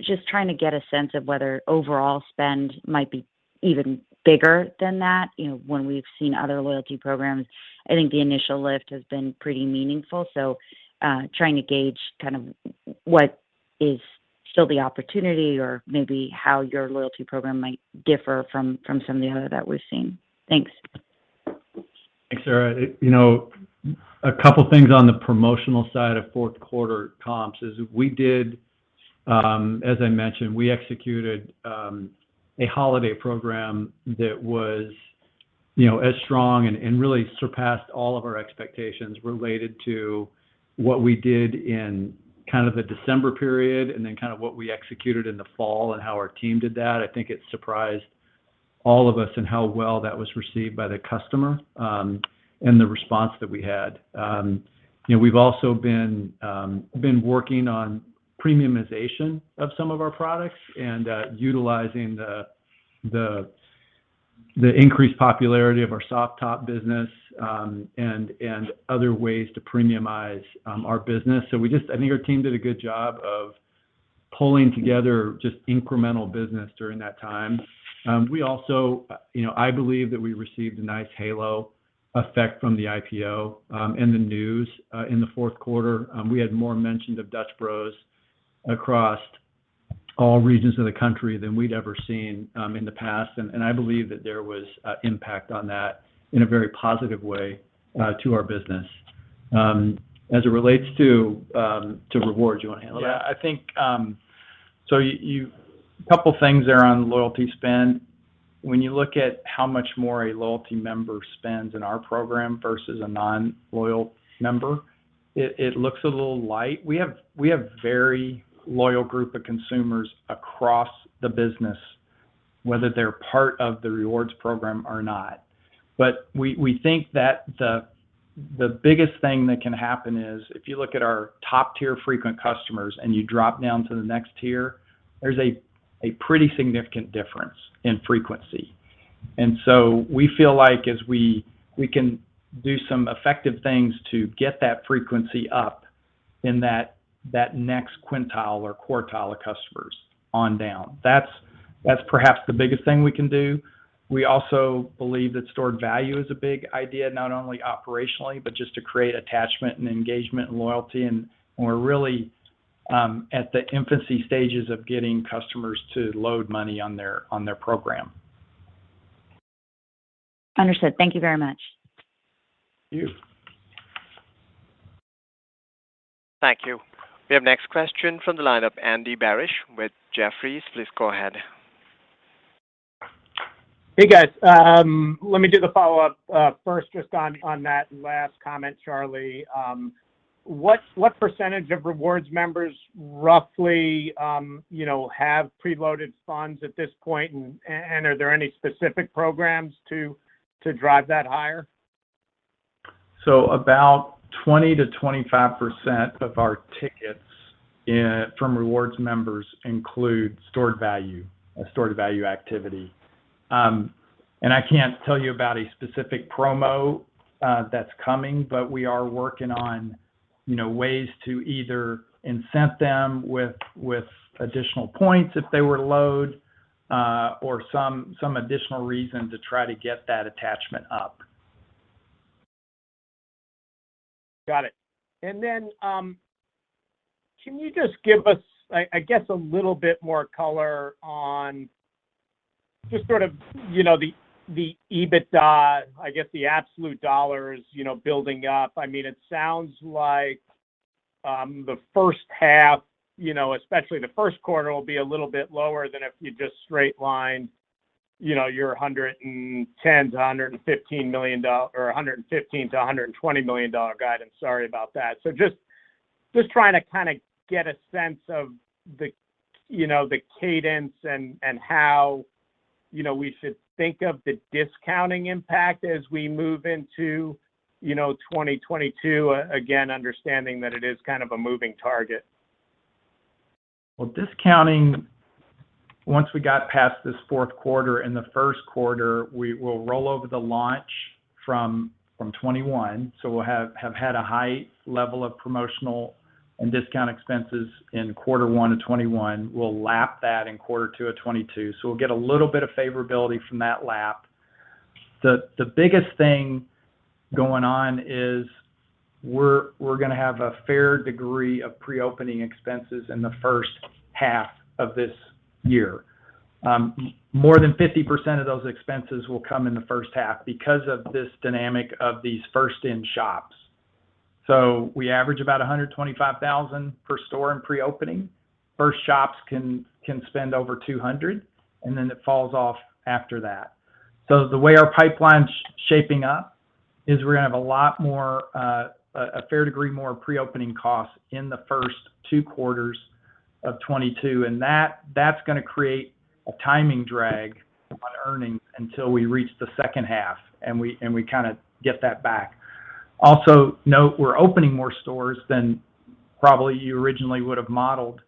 just trying to get a sense of whether overall spend might be even bigger than that. You know, when we've seen other loyalty programs, I think the initial lift has been pretty meaningful. Trying to gauge kind of what is still the opportunity or maybe how your loyalty program might differ from some of the other that we've seen. Thanks. Thanks, Sara. You know, a couple of things on the promotional side of fourth quarter comps is we did, as I mentioned, we executed a holiday program that was, you know, as strong and really surpassed all of our expectations related to what we did in kind of the December period and then kind of what we executed in the fall and how our team did that. I think it surprised all of us in how well that was received by the customer, and the response that we had. You know, we've also been working on premiumization of some of our products and, utilizing the increased popularity of our Soft Top business, and other ways to premiumize our business. I think our team did a good job of- pulling together just incremental business during that time. We also, you know, I believe that we received a nice halo effect from the IPO and the news in the fourth quarter. We had more mentions of Dutch Bros across all regions of the country than we'd ever seen in the past. I believe that there was a impact on that in a very positive way to our business. As it relates to rewards, do you want to handle that? Yeah. I think couple things there on loyalty spend. When you look at how much more a loyalty member spends in our program versus a non-loyal member, it looks a little light. We have a very loyal group of consumers across the business, whether they're part of the rewards program or not. But we think that the biggest thing that can happen is if you look at our top-tier frequent customers and you drop down to the next tier, there's a pretty significant difference in frequency. We feel like as we can do some effective things to get that frequency up in that next quintile or quartile of customers on down. That's perhaps the biggest thing we can do. We also believe that stored value is a big idea, not only operationally, but just to create attachment and engagement and loyalty, and we're really at the infancy stages of getting customers to load money on their program. Understood. Thank you very much. Thank you. Thank you. We have next question from the line of Andrew Barish with Jefferies. Please go ahead. Hey, guys. Let me do the follow-up first just on that last comment, Charlie. What percentage of rewards members roughly have preloaded funds at this point and are there any specific programs to drive that higher? About 20%-25% of our tickets from rewards members include stored value, a stored value activity. I can't tell you about a specific promo that's coming, but we are working on, you know, ways to either incent them with additional points if they were to load, or some additional reason to try to get that attachment up. Got it. Then, can you just give us I guess, a little bit more color on just sort of, you know, the EBITDA, I guess, the absolute dollars, you know, building up. I mean, it sounds like, the first half, you know, especially the first quarter will be a little bit lower than if you just straight line, you know, your $110 million-$115 million or $115 million-$120 million dollar guidance. Sorry about that. Just trying to kind of get a sense of the, you know, the cadence and how, you know, we should think of the discounting impact as we move into, you know, 2022, again, understanding that it is kind of a moving target. Well, discounting, once we got past this fourth quarter and the first quarter, we will roll over the launch from 2021. We'll have had a high level of promotional and discount expenses in quarter one of 2021. We'll lap that in quarter two of 2022. We'll get a little bit of favorability from that lap. The biggest thing going on is we're gonna have a fair degree of pre-opening expenses in the first half of this year. More than 50% of those expenses will come in the first half because of this dynamic of these first-in shops. We average about $125,000 per store in pre-opening. First shops can spend over $200,000, and then it falls off after that. The way our pipeline's shaping up is we're gonna have a lot more, a fair degree more pre-opening costs in the first two quarters of 2022, and that's gonna create a timing drag on earnings until we reach the second half and we kind of get that back. Also note we're opening more stores than probably you originally would have modeled,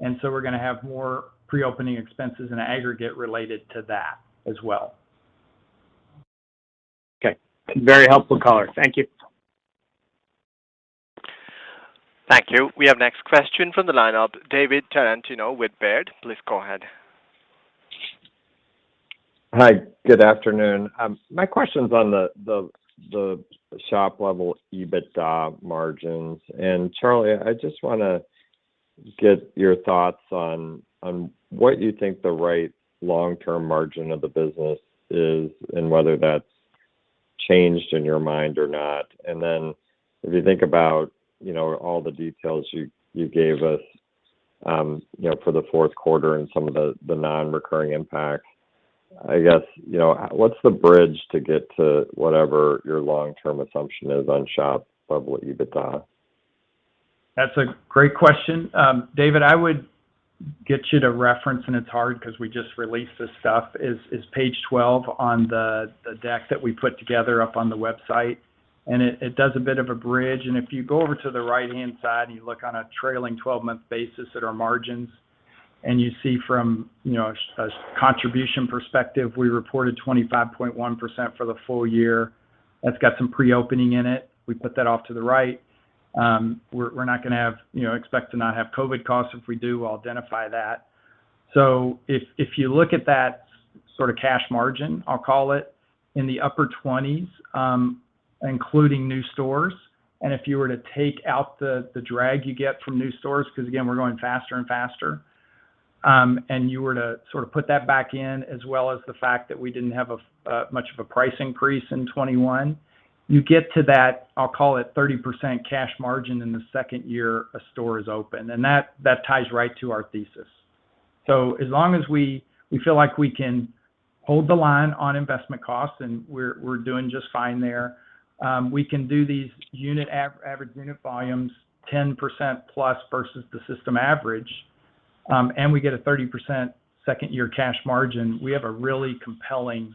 and so we're gonna have more pre-opening expenses in aggregate related to that as well. Okay. Very helpful color. Thank you. Thank you. We have next question from the lineup, David Tarantino with Baird. Please go ahead. Hi, good afternoon. My question's on the shop level EBITDA margins. Charlie, I just wanna get your thoughts on what you think the right long-term margin of the business is and whether that's changed in your mind or not. If you think about, you know, all the details you gave us, you know, for the fourth quarter and some of the non-recurring impacts, I guess, you know, what's the bridge to get to whatever your long-term assumption is on shop level EBITDA? That's a great question. David, I would get you to reference, and it's hard because we just released this stuff, is Page 12 on the deck that we put together up on the website. It does a bit of a bridge. If you go over to the right-hand side and you look on a trailing 12-month basis at our margins, and you see from, you know, a contribution perspective, we reported 25.1% for the full year. That's got some pre-opening in it. We put that off to the right. We're not gonna have, you know, expect to not have COVID costs. If we do, I'll identify that. If you look at that sort of cash margin, I'll call it, in the upper 20s%, including new stores, and if you were to take out the drag you get from new stores because, again, we're going faster-and-faster, and you were to sort of put that back in as well as the fact that we didn't have much of a price increase in 2021, you get to that, I'll call it 30% cash margin in the second year a store is open. That ties right to our thesis. As long as we feel like we can hold the line on investment costs, and we're doing just fine there, we can do these average unit volumes 10%+ versus the system average, and we get a 30% second-year cash margin, we have a really compelling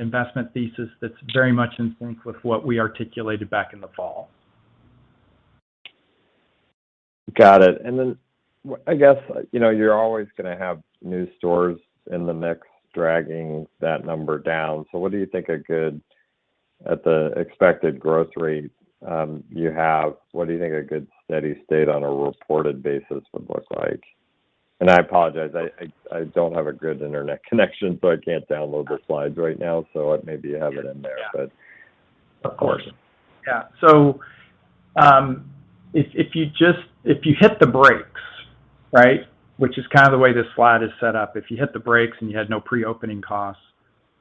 investment thesis that's very much in sync with what we articulated back in the fall. Got it. I guess, you know, you're always gonna have new stores in the mix dragging that number down. What do you think? At the expected growth rate, you have, what do you think a good steady state on a reported basis would look like? I apologize, I don't have a good internet connection, so I can't download the slides right now. Maybe you have it in there, but Of course. Yeah. If you hit the brakes, right? Which is kind of the way this slide is set up. If you hit the brakes and you had no pre-opening costs,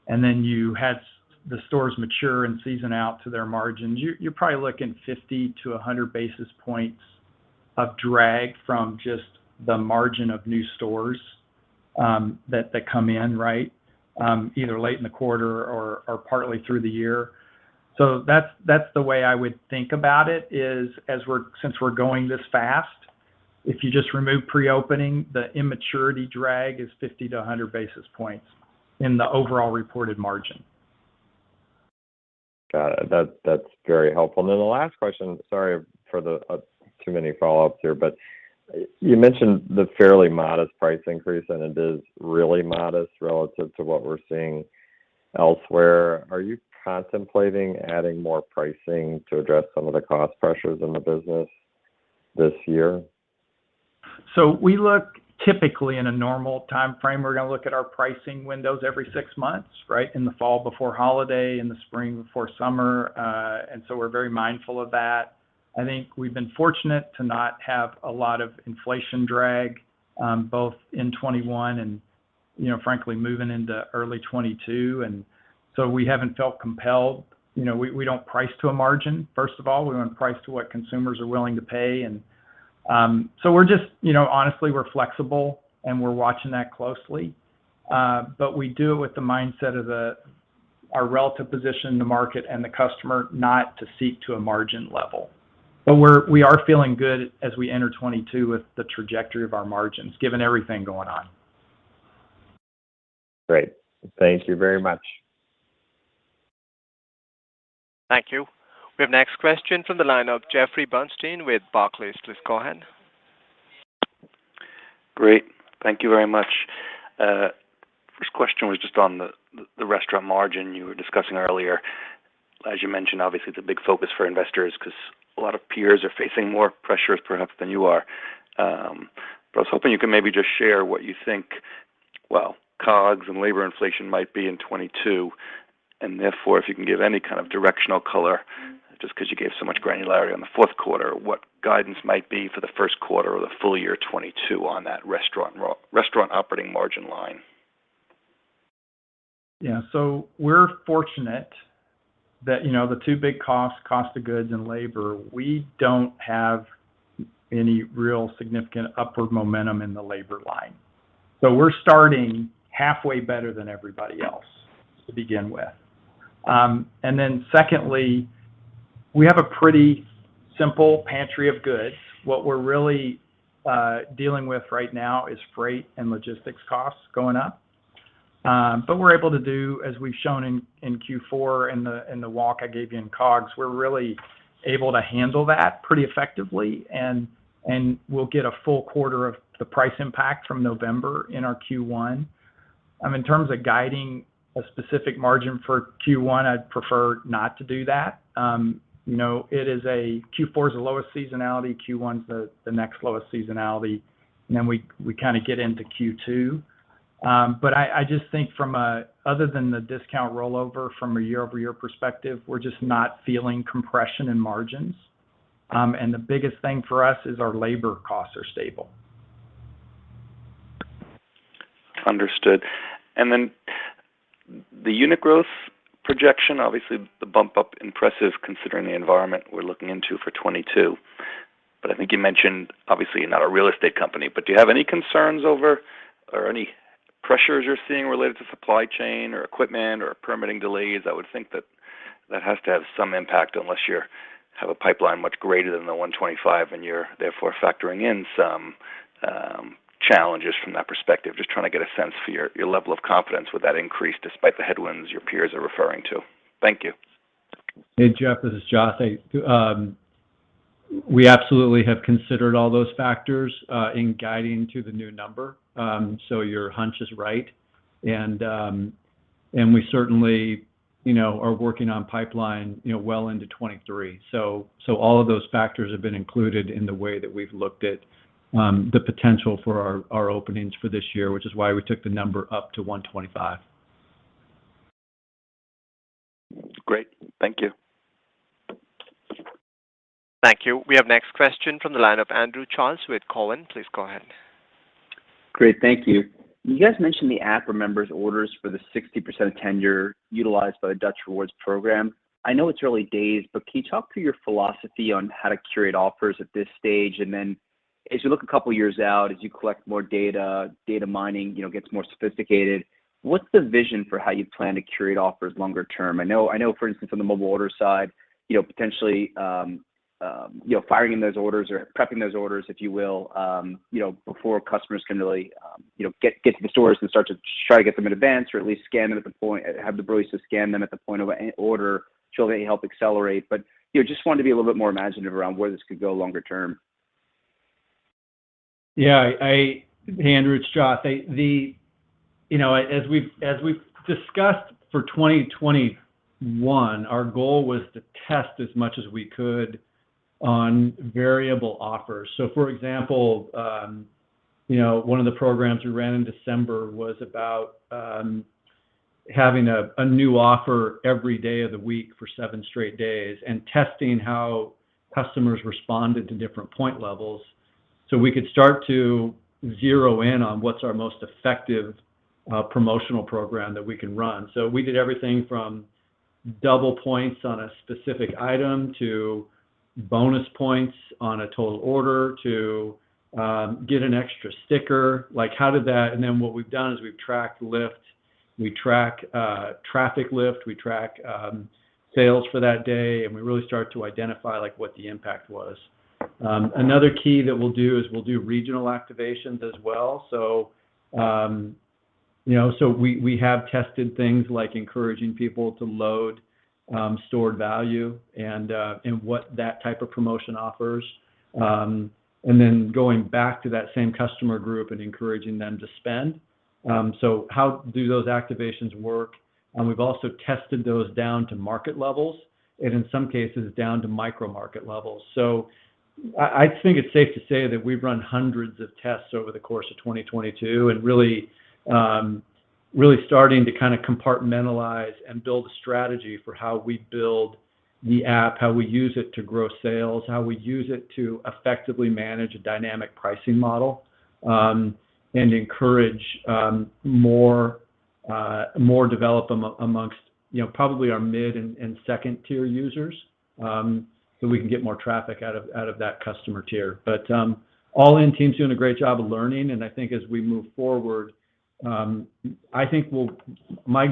and then you had the stores mature and season out to their margins, you're probably looking 50 basis points to 100 basis points of drag from just the margin of new stores that come in, right? Either late in the quarter or partly through the year. That's the way I would think about it, is since we're going this fast, if you just remove pre-opening, the immaturity drag is 50 basis points to 100 basis points in the overall reported margin. Got it. That's very helpful. Then the last question, sorry for the too many follow-ups here, but you mentioned the fairly modest price increase, and it is really modest relative to what we're seeing elsewhere. Are you contemplating adding more pricing to address some of the cost pressures in the business this year? Typically, in a normal timeframe, we're gonna look at our pricing windows every six months, right? In the fall before holiday, in the spring before summer. We're very mindful of that. I think we've been fortunate to not have a lot of inflation drag, both in 2021 and, you know, frankly, moving into early 2022. We haven't felt compelled. You know, we don't price to a margin, first of all. We wanna price to what consumers are willing to pay. We're just you know, honestly, we're flexible, and we're watching that closely. But we do it with the mindset of our relative position in the market and the customer, not to seek to a margin level. We are feeling good as we enter 2022 with the trajectory of our margins, given everything going on. Great. Thank you very much. Thank you. We have next question from the line of Jeffrey Bernstein with Barclays. Please go ahead. Great. Thank you very much. First question was just on the restaurant margin you were discussing earlier. As you mentioned, obviously, the big focus for investors, 'cause a lot of peers are facing more pressures perhaps than you are. But I was hoping you could maybe just share what you think, well, COGS and labor inflation might be in 2022. And therefore, if you can give any kind of directional color, just 'cause you gave so much granularity on the fourth quarter, what guidance might be for the first quarter or the full year 2022 on that restaurant operating margin line. Yeah. We're fortunate that, you know, the two big costs, cost of goods and labor, we don't have any real significant upward momentum in the labor line. We're starting halfway better than everybody else to begin with. And then secondly, we have a pretty simple pantry of goods. What we're really dealing with right now is freight and logistics costs going up. We're able to do, as we've shown in Q4 and the walk I gave you in COGS, we're really able to handle that pretty effectively and we'll get a full quarter of the price impact from November in our Q1. In terms of guiding a specific margin for Q1, I'd prefer not to do that. You know, Q4 is the lowest seasonality, Q1's the next lowest seasonality. We kind of get into Q2. I just think other than the discount rollover from a year-over-year perspective, we're just not feeling compression in margins. The biggest thing for us is our labor costs are stable. Understood. Then the unit growth projection, obviously the bump up impressive considering the environment we're looking into for 2022. I think you mentioned, obviously, you're not a real estate company, but do you have any concerns over or any pressures you're seeing related to supply chain or equipment or permitting delays? I would think that that has to have some impact, unless you have a pipeline much greater than the 125 and you're therefore factoring in some challenges from that perspective. Just trying to get a sense for your level of confidence with that increase despite the headwinds your peers are referring to. Thank you. Hey, Jeff, this is Joth. We absolutely have considered all those factors in guiding to the new number. Your hunch is right. We certainly, you know, are working on pipeline, you know, well into 2023. All of those factors have been included in the way that we've looked at the potential for our openings for this year, which is why we took the number up to 125. Great. Thank you. Thank you. We have next question from the line of Andrew Charles with Cowen. Please go ahead. Great. Thank you. You guys mentioned the app remembers orders for the 60% tenure utilized by the Dutch Rewards program. I know it's early days, but can you talk through your philosophy on how to curate offers at this stage? As you look a couple of years out, as you collect more data mining, you know, gets more sophisticated, what's the vision for how you plan to curate offers longer term? I know, for instance, on the mobile order side, you know, potentially, you know, firing those orders or prepping those orders, if you will, you know, before customers can really, you know, get to the stores and start to try to get them in advance or at least have the ability to scan them at the point of an order, surely help accelerate. You know, just wanted to be a little bit more imaginative around where this could go longer term. Yeah. Hey, Andrew, it's Joth. You know, as we've discussed for 2021, our goal was to test as much as we could on variable offers. For example, you know, one of the programs we ran in December was about having a new offer every day of the week for seven straight days and testing how customers responded to different point levels, so we could start to zero in on what's our most effective promotional program that we can run. We did everything from double points on a specific item to bonus points on a total order to get an extra sticker. Like, how did that. What we've done is we've tracked lift, we track traffic lift, we track sales for that day, and we really start to identify, like, what the impact was. Another key that we'll do is we'll do regional activations as well. You know, so we have tested things like encouraging people to load stored value and and what that type of promotion offers, and then going back to that same customer group and encouraging them to spend. How do those activations work? We've also tested those down to market levels, and in some cases, down to micro-market levels. I think it's safe to say that we've run hundreds of tests over the course of 2022 and really starting to kinda compartmentalize and build a strategy for how we build the app, how we use it to grow sales, how we use it to effectively manage a dynamic pricing model, and encourage more development amongst you know probably our mid and second-tier users, so we can get more traffic out of that customer tier. But all in, team's doing a great job of learning, and I think as we move forward, My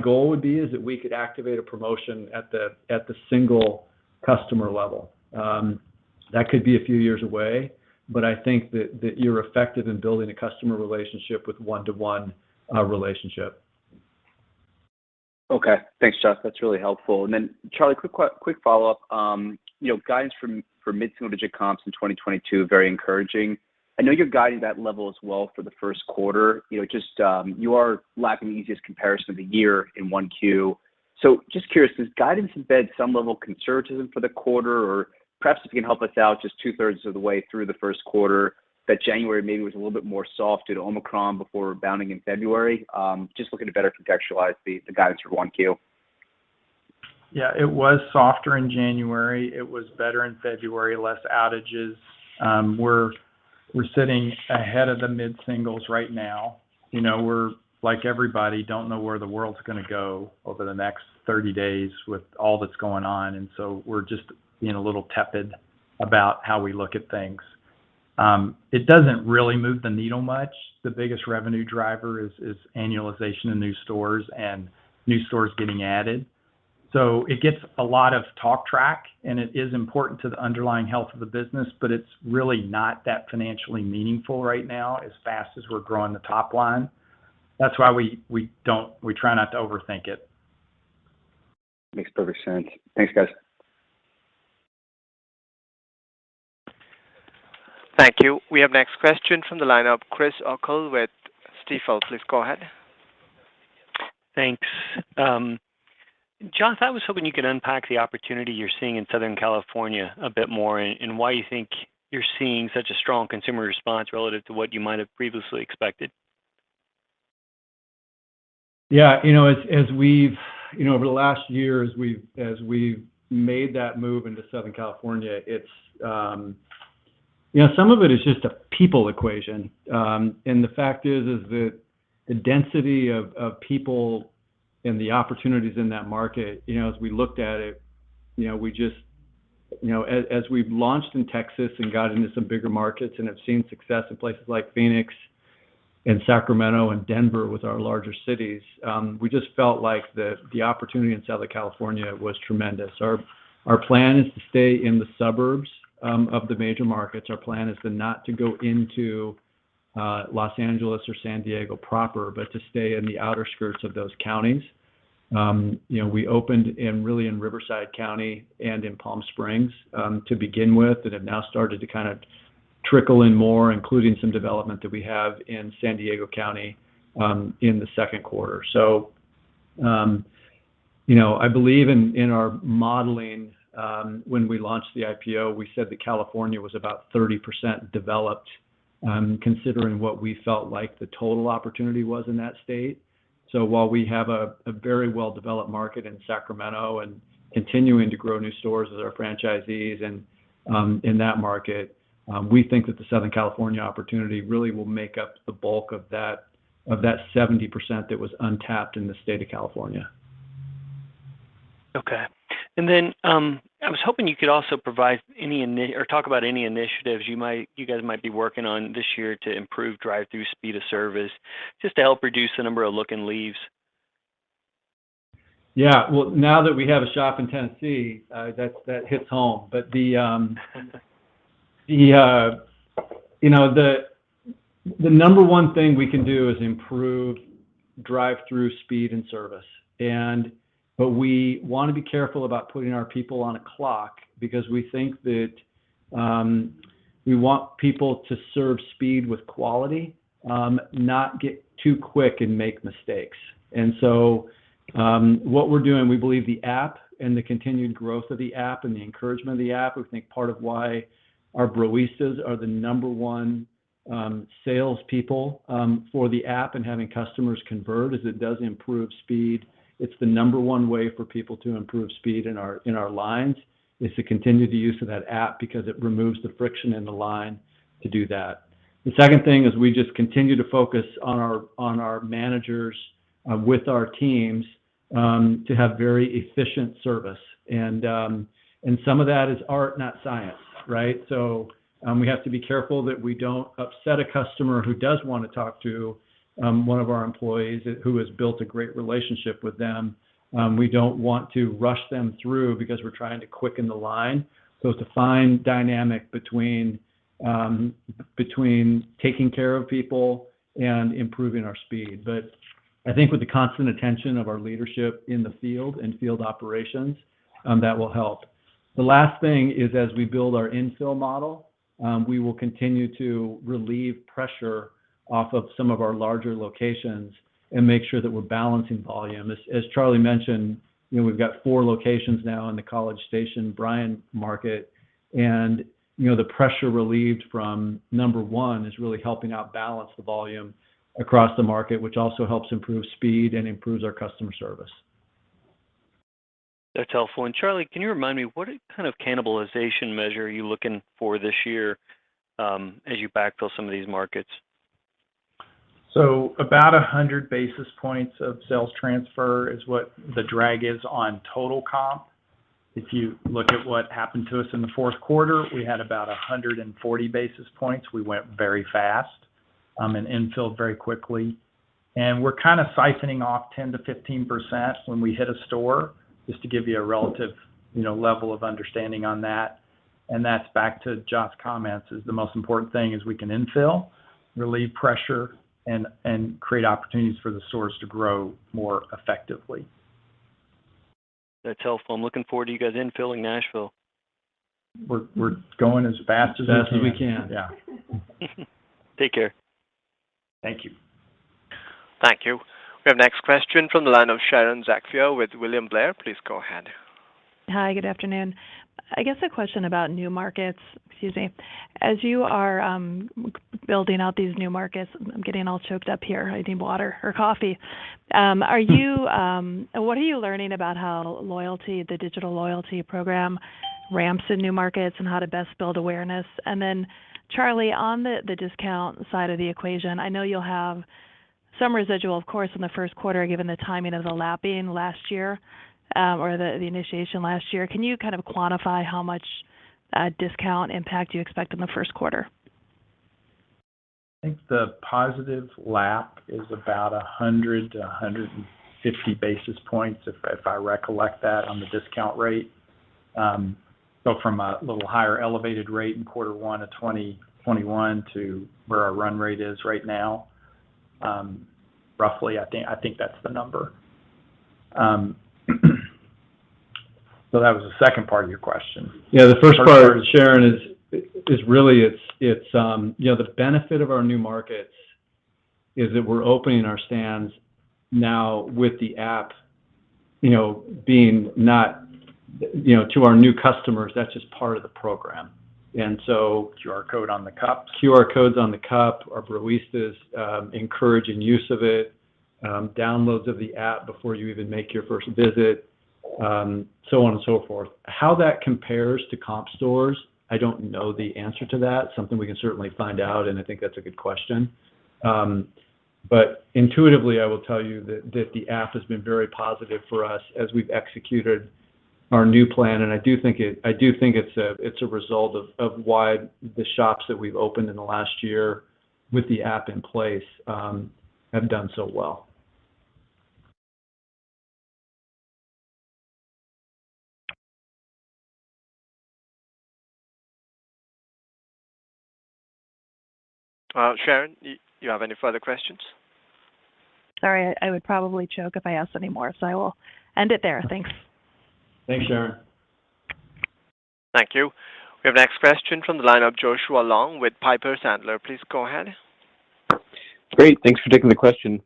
goal would be is that we could activate a promotion at the single customer level. That could be a few years away, but I think that you're effective in building a customer relationship with one-to-one relationship. Okay. Thanks, Joth. That's really helpful. Charlie, quick follow-up. You know, guidance for mid-single digit comps in 2022, very encouraging. I know you're guiding that level as well for the first quarter. You know, just you are lacking the easiest comparison of the year in 1Q. Just curious, does guidance embed some level conservatism for the quarter? Or perhaps if you can help us out just 2/3s of the way through the first quarter, that January maybe was a little bit more soft due to Omicron before rebounding in February. Just looking to better contextualize the guidance for 1Q. Yeah, it was softer in January. It was better in February, less outages. We're sitting ahead of the mid-singles right now. You know, we're like, everybody, don't know where the world's gonna go over the next 30 days with all that's going on. We're just being a little tepid about how we look at things. It doesn't really move the needle much. The biggest revenue driver is annualization in new stores and new stores getting added. It gets a lot of talk track, and it is important to the underlying health of the business, but it's really not that financially meaningful right now as fast as we're growing the top line. That's why we try not to overthink it. Makes perfect sense. Thanks, guys. Thank you. We have next question from the line of Christopher O'Cull with Stifel. Please go ahead. Thanks. Joth, I was hoping you could unpack the opportunity you're seeing in Southern California a bit more and why you think you're seeing such a strong consumer response relative to what you might have previously expected. Yeah. You know, over the last year, as we've made that move into Southern California, it's. You know, some of it is just a people equation. The fact is that the density of people and the opportunities in that market, you know, as we looked at it, you know, we just, you know, as we've launched in Texas and got into some bigger markets and have seen success in places like Phoenix and Sacramento and Denver with our larger cities, we just felt like the opportunity in Southern California was tremendous. Our plan is to stay in the suburbs of the major markets. Our plan is to not go into Los Angeles or San Diego proper, but to stay in the outer skirts of those counties. You know, we opened really in Riverside County and in Palm Springs to begin with, and have now started to kind of trickle in more, including some development that we have in San Diego County in the second quarter. You know, I believe in our modeling when we launched the IPO, we said that California was about 30% developed, considering what we felt like the total opportunity was in that state. While we have a very well-developed market in Sacramento and continuing to grow new stores as our franchisees and in that market, we think that the Southern California opportunity really will make up the bulk of that 70% that was untapped in the state of California. Okay. I was hoping you could also provide any initiatives or talk about any initiatives you guys might be working on this year to improve drive-thru speed of service just to help reduce the number of look and leaves. Yeah. Well, now that we have a shop in Tennessee, that hits home. The number one thing we can do is improve drive-thru speed and service. We want to be careful about putting our people on a clock because we think that we want people to serve speed with quality, not get too quick and make mistakes. What we're doing, we believe the app and the continued growth of the app and the encouragement of the app. We think part of why our Broistas are the number one salespeople for the app and having customers convert is it does improve speed. It's the number one way for people to improve speed in our lines is to continue the use of that app because it removes the friction in the line to do that. The second thing is we just continue to focus on our managers with our teams to have very efficient service. Some of that is art, not science, right? We have to be careful that we don't upset a customer who does wanna talk to one of our employees who has built a great relationship with them. We don't want to rush them through because we're trying to quicken the line. It's a fine dynamic between taking care of people and improving our speed. I think with the constant attention of our leadership in the field and field operations, that will help. The last thing is as we build our infill model, we will continue to relieve pressure off of some of our larger locations and make sure that we're balancing volume. As Charlie mentioned, you know, we've got four locations now in the College Station Bryan market. You know, the pressure relieved from number one is really helping out balance the volume across the market, which also helps improve speed and improves our customer service. That's helpful. Charlie, can you remind me, what kind of cannibalization measure are you looking for this year, as you backfill some of these markets? About 100 basis points of sales transfer is what the drag is on total comp. If you look at what happened to us in the fourth quarter, we had about 140 basis points. We went very fast and infilled very quickly. We're kinda siphoning off 10%-15% when we hit a store, just to give you a relative, you know, level of understanding on that. That's back to Joth's comments. The most important thing is we can infill, relieve pressure, and create opportunities for the stores to grow more effectively. That's helpful. I'm looking forward to you guys infilling Nashville. We're going as fast as we can. As fast as we can. Yeah. Take care. Thank you. Thank you. We have next question from the line of Sharon Zackfia with William Blair. Please go ahead. Hi, good afternoon. I guess a question about new markets. Excuse me. As you are building out these new markets. I'm getting all choked up here. I need water or coffee. What are you learning about how loyalty, the digital loyalty program ramps in new markets and how to best build awareness? Charlie, on the discount side of the equation, I know you'll have some residual, of course, in the first quarter, given the timing of the lapping last year, or the initiation last year. Can you kind of quantify how much discount impact you expect in the first quarter? I think the positive lap is about 100 basis poits to 150 basis points, if I recollect that on the discount rate. From a little higher elevated rate in quarter 1 of 2021 to where our run rate is right now, roughly, I think that's the number. That was the second part of your question. Yeah. The first part, Sharon, is really it's, you know, the benefit of our new markets is that we're opening our stands now with the app, you know, being new, you know, to our new customers, that's just part of the program. QR code on the cup. QR codes on the cup. Our Broistas encouraging use of it, downloads of the app before you even make your first visit, so on and so forth. How that compares to comp stores, I don't know the answer to that. Something we can certainly find out, and I think that's a good question. But intuitively, I will tell you that the app has been very positive for us as we've executed our new plan. I do think it's a result of why the shops that we've opened in the last year with the app in place have done so well. Well, Sharon, do you have any further questions? Sorry. I would probably choke if I ask any more, so I will end it there. Thanks. Thanks, Sharon. Thank you. We have next question from the line of Joshua Long with Piper Sandler. Please go ahead. Great. Thanks for taking the question.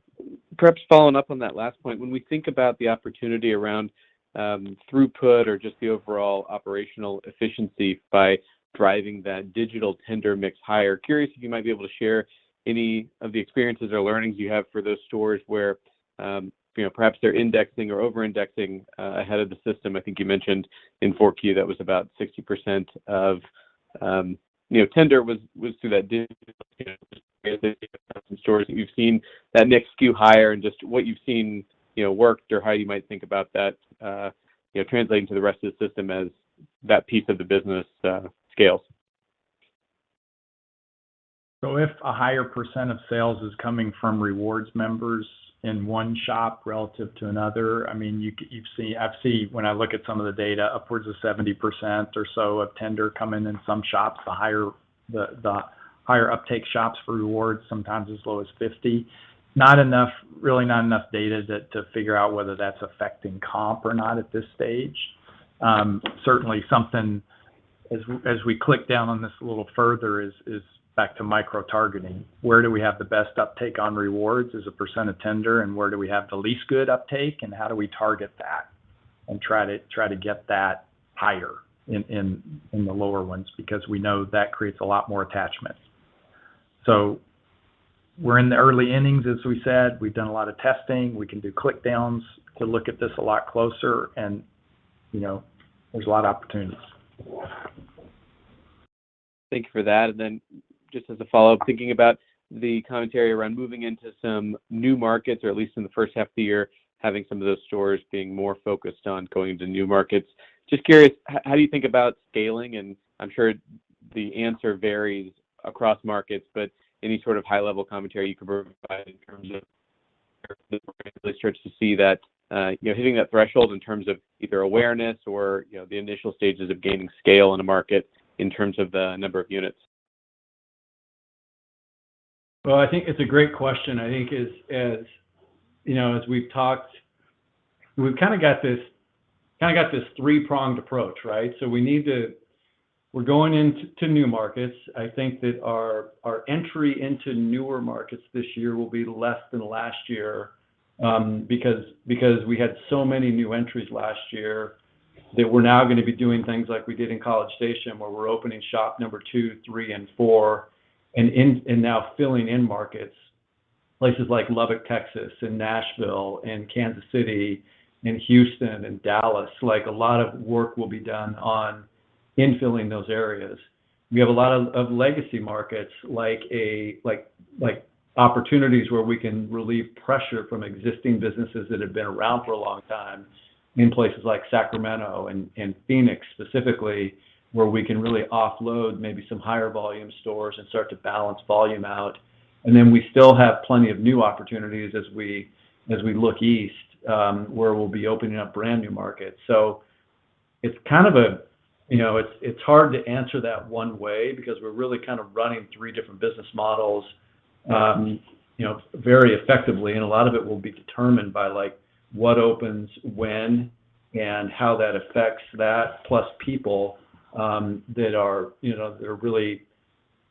Perhaps following-up on that last point, when we think about the opportunity around throughput or just the overall operational efficiency by driving that digital tender mix higher, curious if you might be able to share any of the experiences or learnings you have for those stores where, you know, perhaps they're indexing or over-indexing ahead of the system. I think you mentioned in 4Q that was about 60% of, you know, tender was through that digital. Some stores that you've seen that mix skew higher and just what you've seen, you know, worked or how you might think about that, you know, translating to the rest of the system as that piece of the business scales. If a higher percent of sales is coming from rewards members in one shop relative to another, I mean, you can—you've see—I've seen when I look at some of the data, upwards of 70% or so of tender come in in some shops, the higher the higher uptake shops for rewards, sometimes as low as 50%. Not enough, really not enough data to figure out whether that's affecting comp or not at this stage. Certainly something as we click down on this a little further is back to microtargeting. Where do we have the best uptake on rewards as a percent of tender, and where do we have the least good uptake, and how do we target that and try to get that higher in the lower ones? Because we know that creates a lot more attachment. We're in the early innings, as we said. We've done a lot of testing. We can do click downs to look at this a lot closer and, you know, there's a lot of opportunities. Thank you for that. Just as a follow-up, thinking about the commentary around moving into some new markets, or at least in the first half of the year, having some of those stores being more focused on going to new markets. Just curious, how do you think about scaling? I'm sure the answer varies across markets, but any sort of high-level commentary you can provide in terms of starts to see that, you know, hitting that threshold in terms of either awareness or, you know, the initial stages of gaining scale in a market in terms of the number of units. Well, I think it's a great question. I think as you know, as we've talked, we've kind of got this three-pronged approach, right? We're going into new markets. I think that our entry into newer markets this year will be less than last year, because we had so many new entries last year that we're now going to be doing things like we did in College Station, where we're opening shop number two, three and four and now filling in markets, places like Lubbock, Texas, and Nashville and Kansas City and Houston and Dallas. Like, a lot of work will be done on infilling those areas. We have a lot of legacy markets like opportunities where we can relieve pressure from existing businesses that have been around for a long time in places like Sacramento and Phoenix specifically, where we can really offload maybe some higher volume stores and start to balance volume out. We still have plenty of new opportunities as we look east, where we'll be opening up brand new markets. It's kind of a, you know. It's hard to answer that one way because we're really kind of running three different business models, you know, very effectively. A lot of it will be determined by, like, what opens when and how that affects that. Plus people that are, you know, really,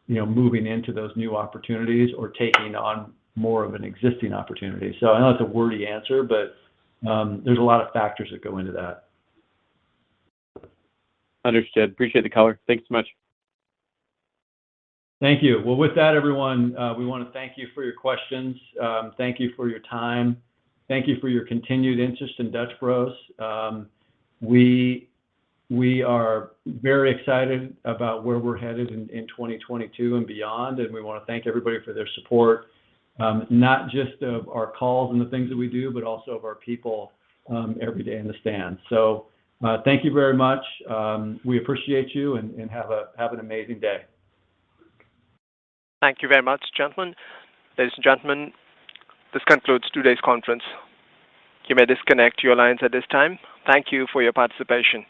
you know, moving into those new opportunities or taking on more of an existing opportunity. I know it's a wordy answer, but, there's a lot of factors that go into that. Understood. Appreciate the color. Thanks so much. Thank you. Well, with that, everyone, we want to thank you for your questions. Thank you for your time. Thank you for your continued interest in Dutch Bros. We are very excited about where we're headed in 2022 and beyond, and we want to thank everybody for their support, not just of our calls and the things that we do, but also of our people, every day in the stand. Thank you very much. We appreciate you, and have an amazing day. Thank you very much, gentlemen. Ladies and gentlemen, this concludes today's conference. You may disconnect your lines at this time. Thank you for your participation.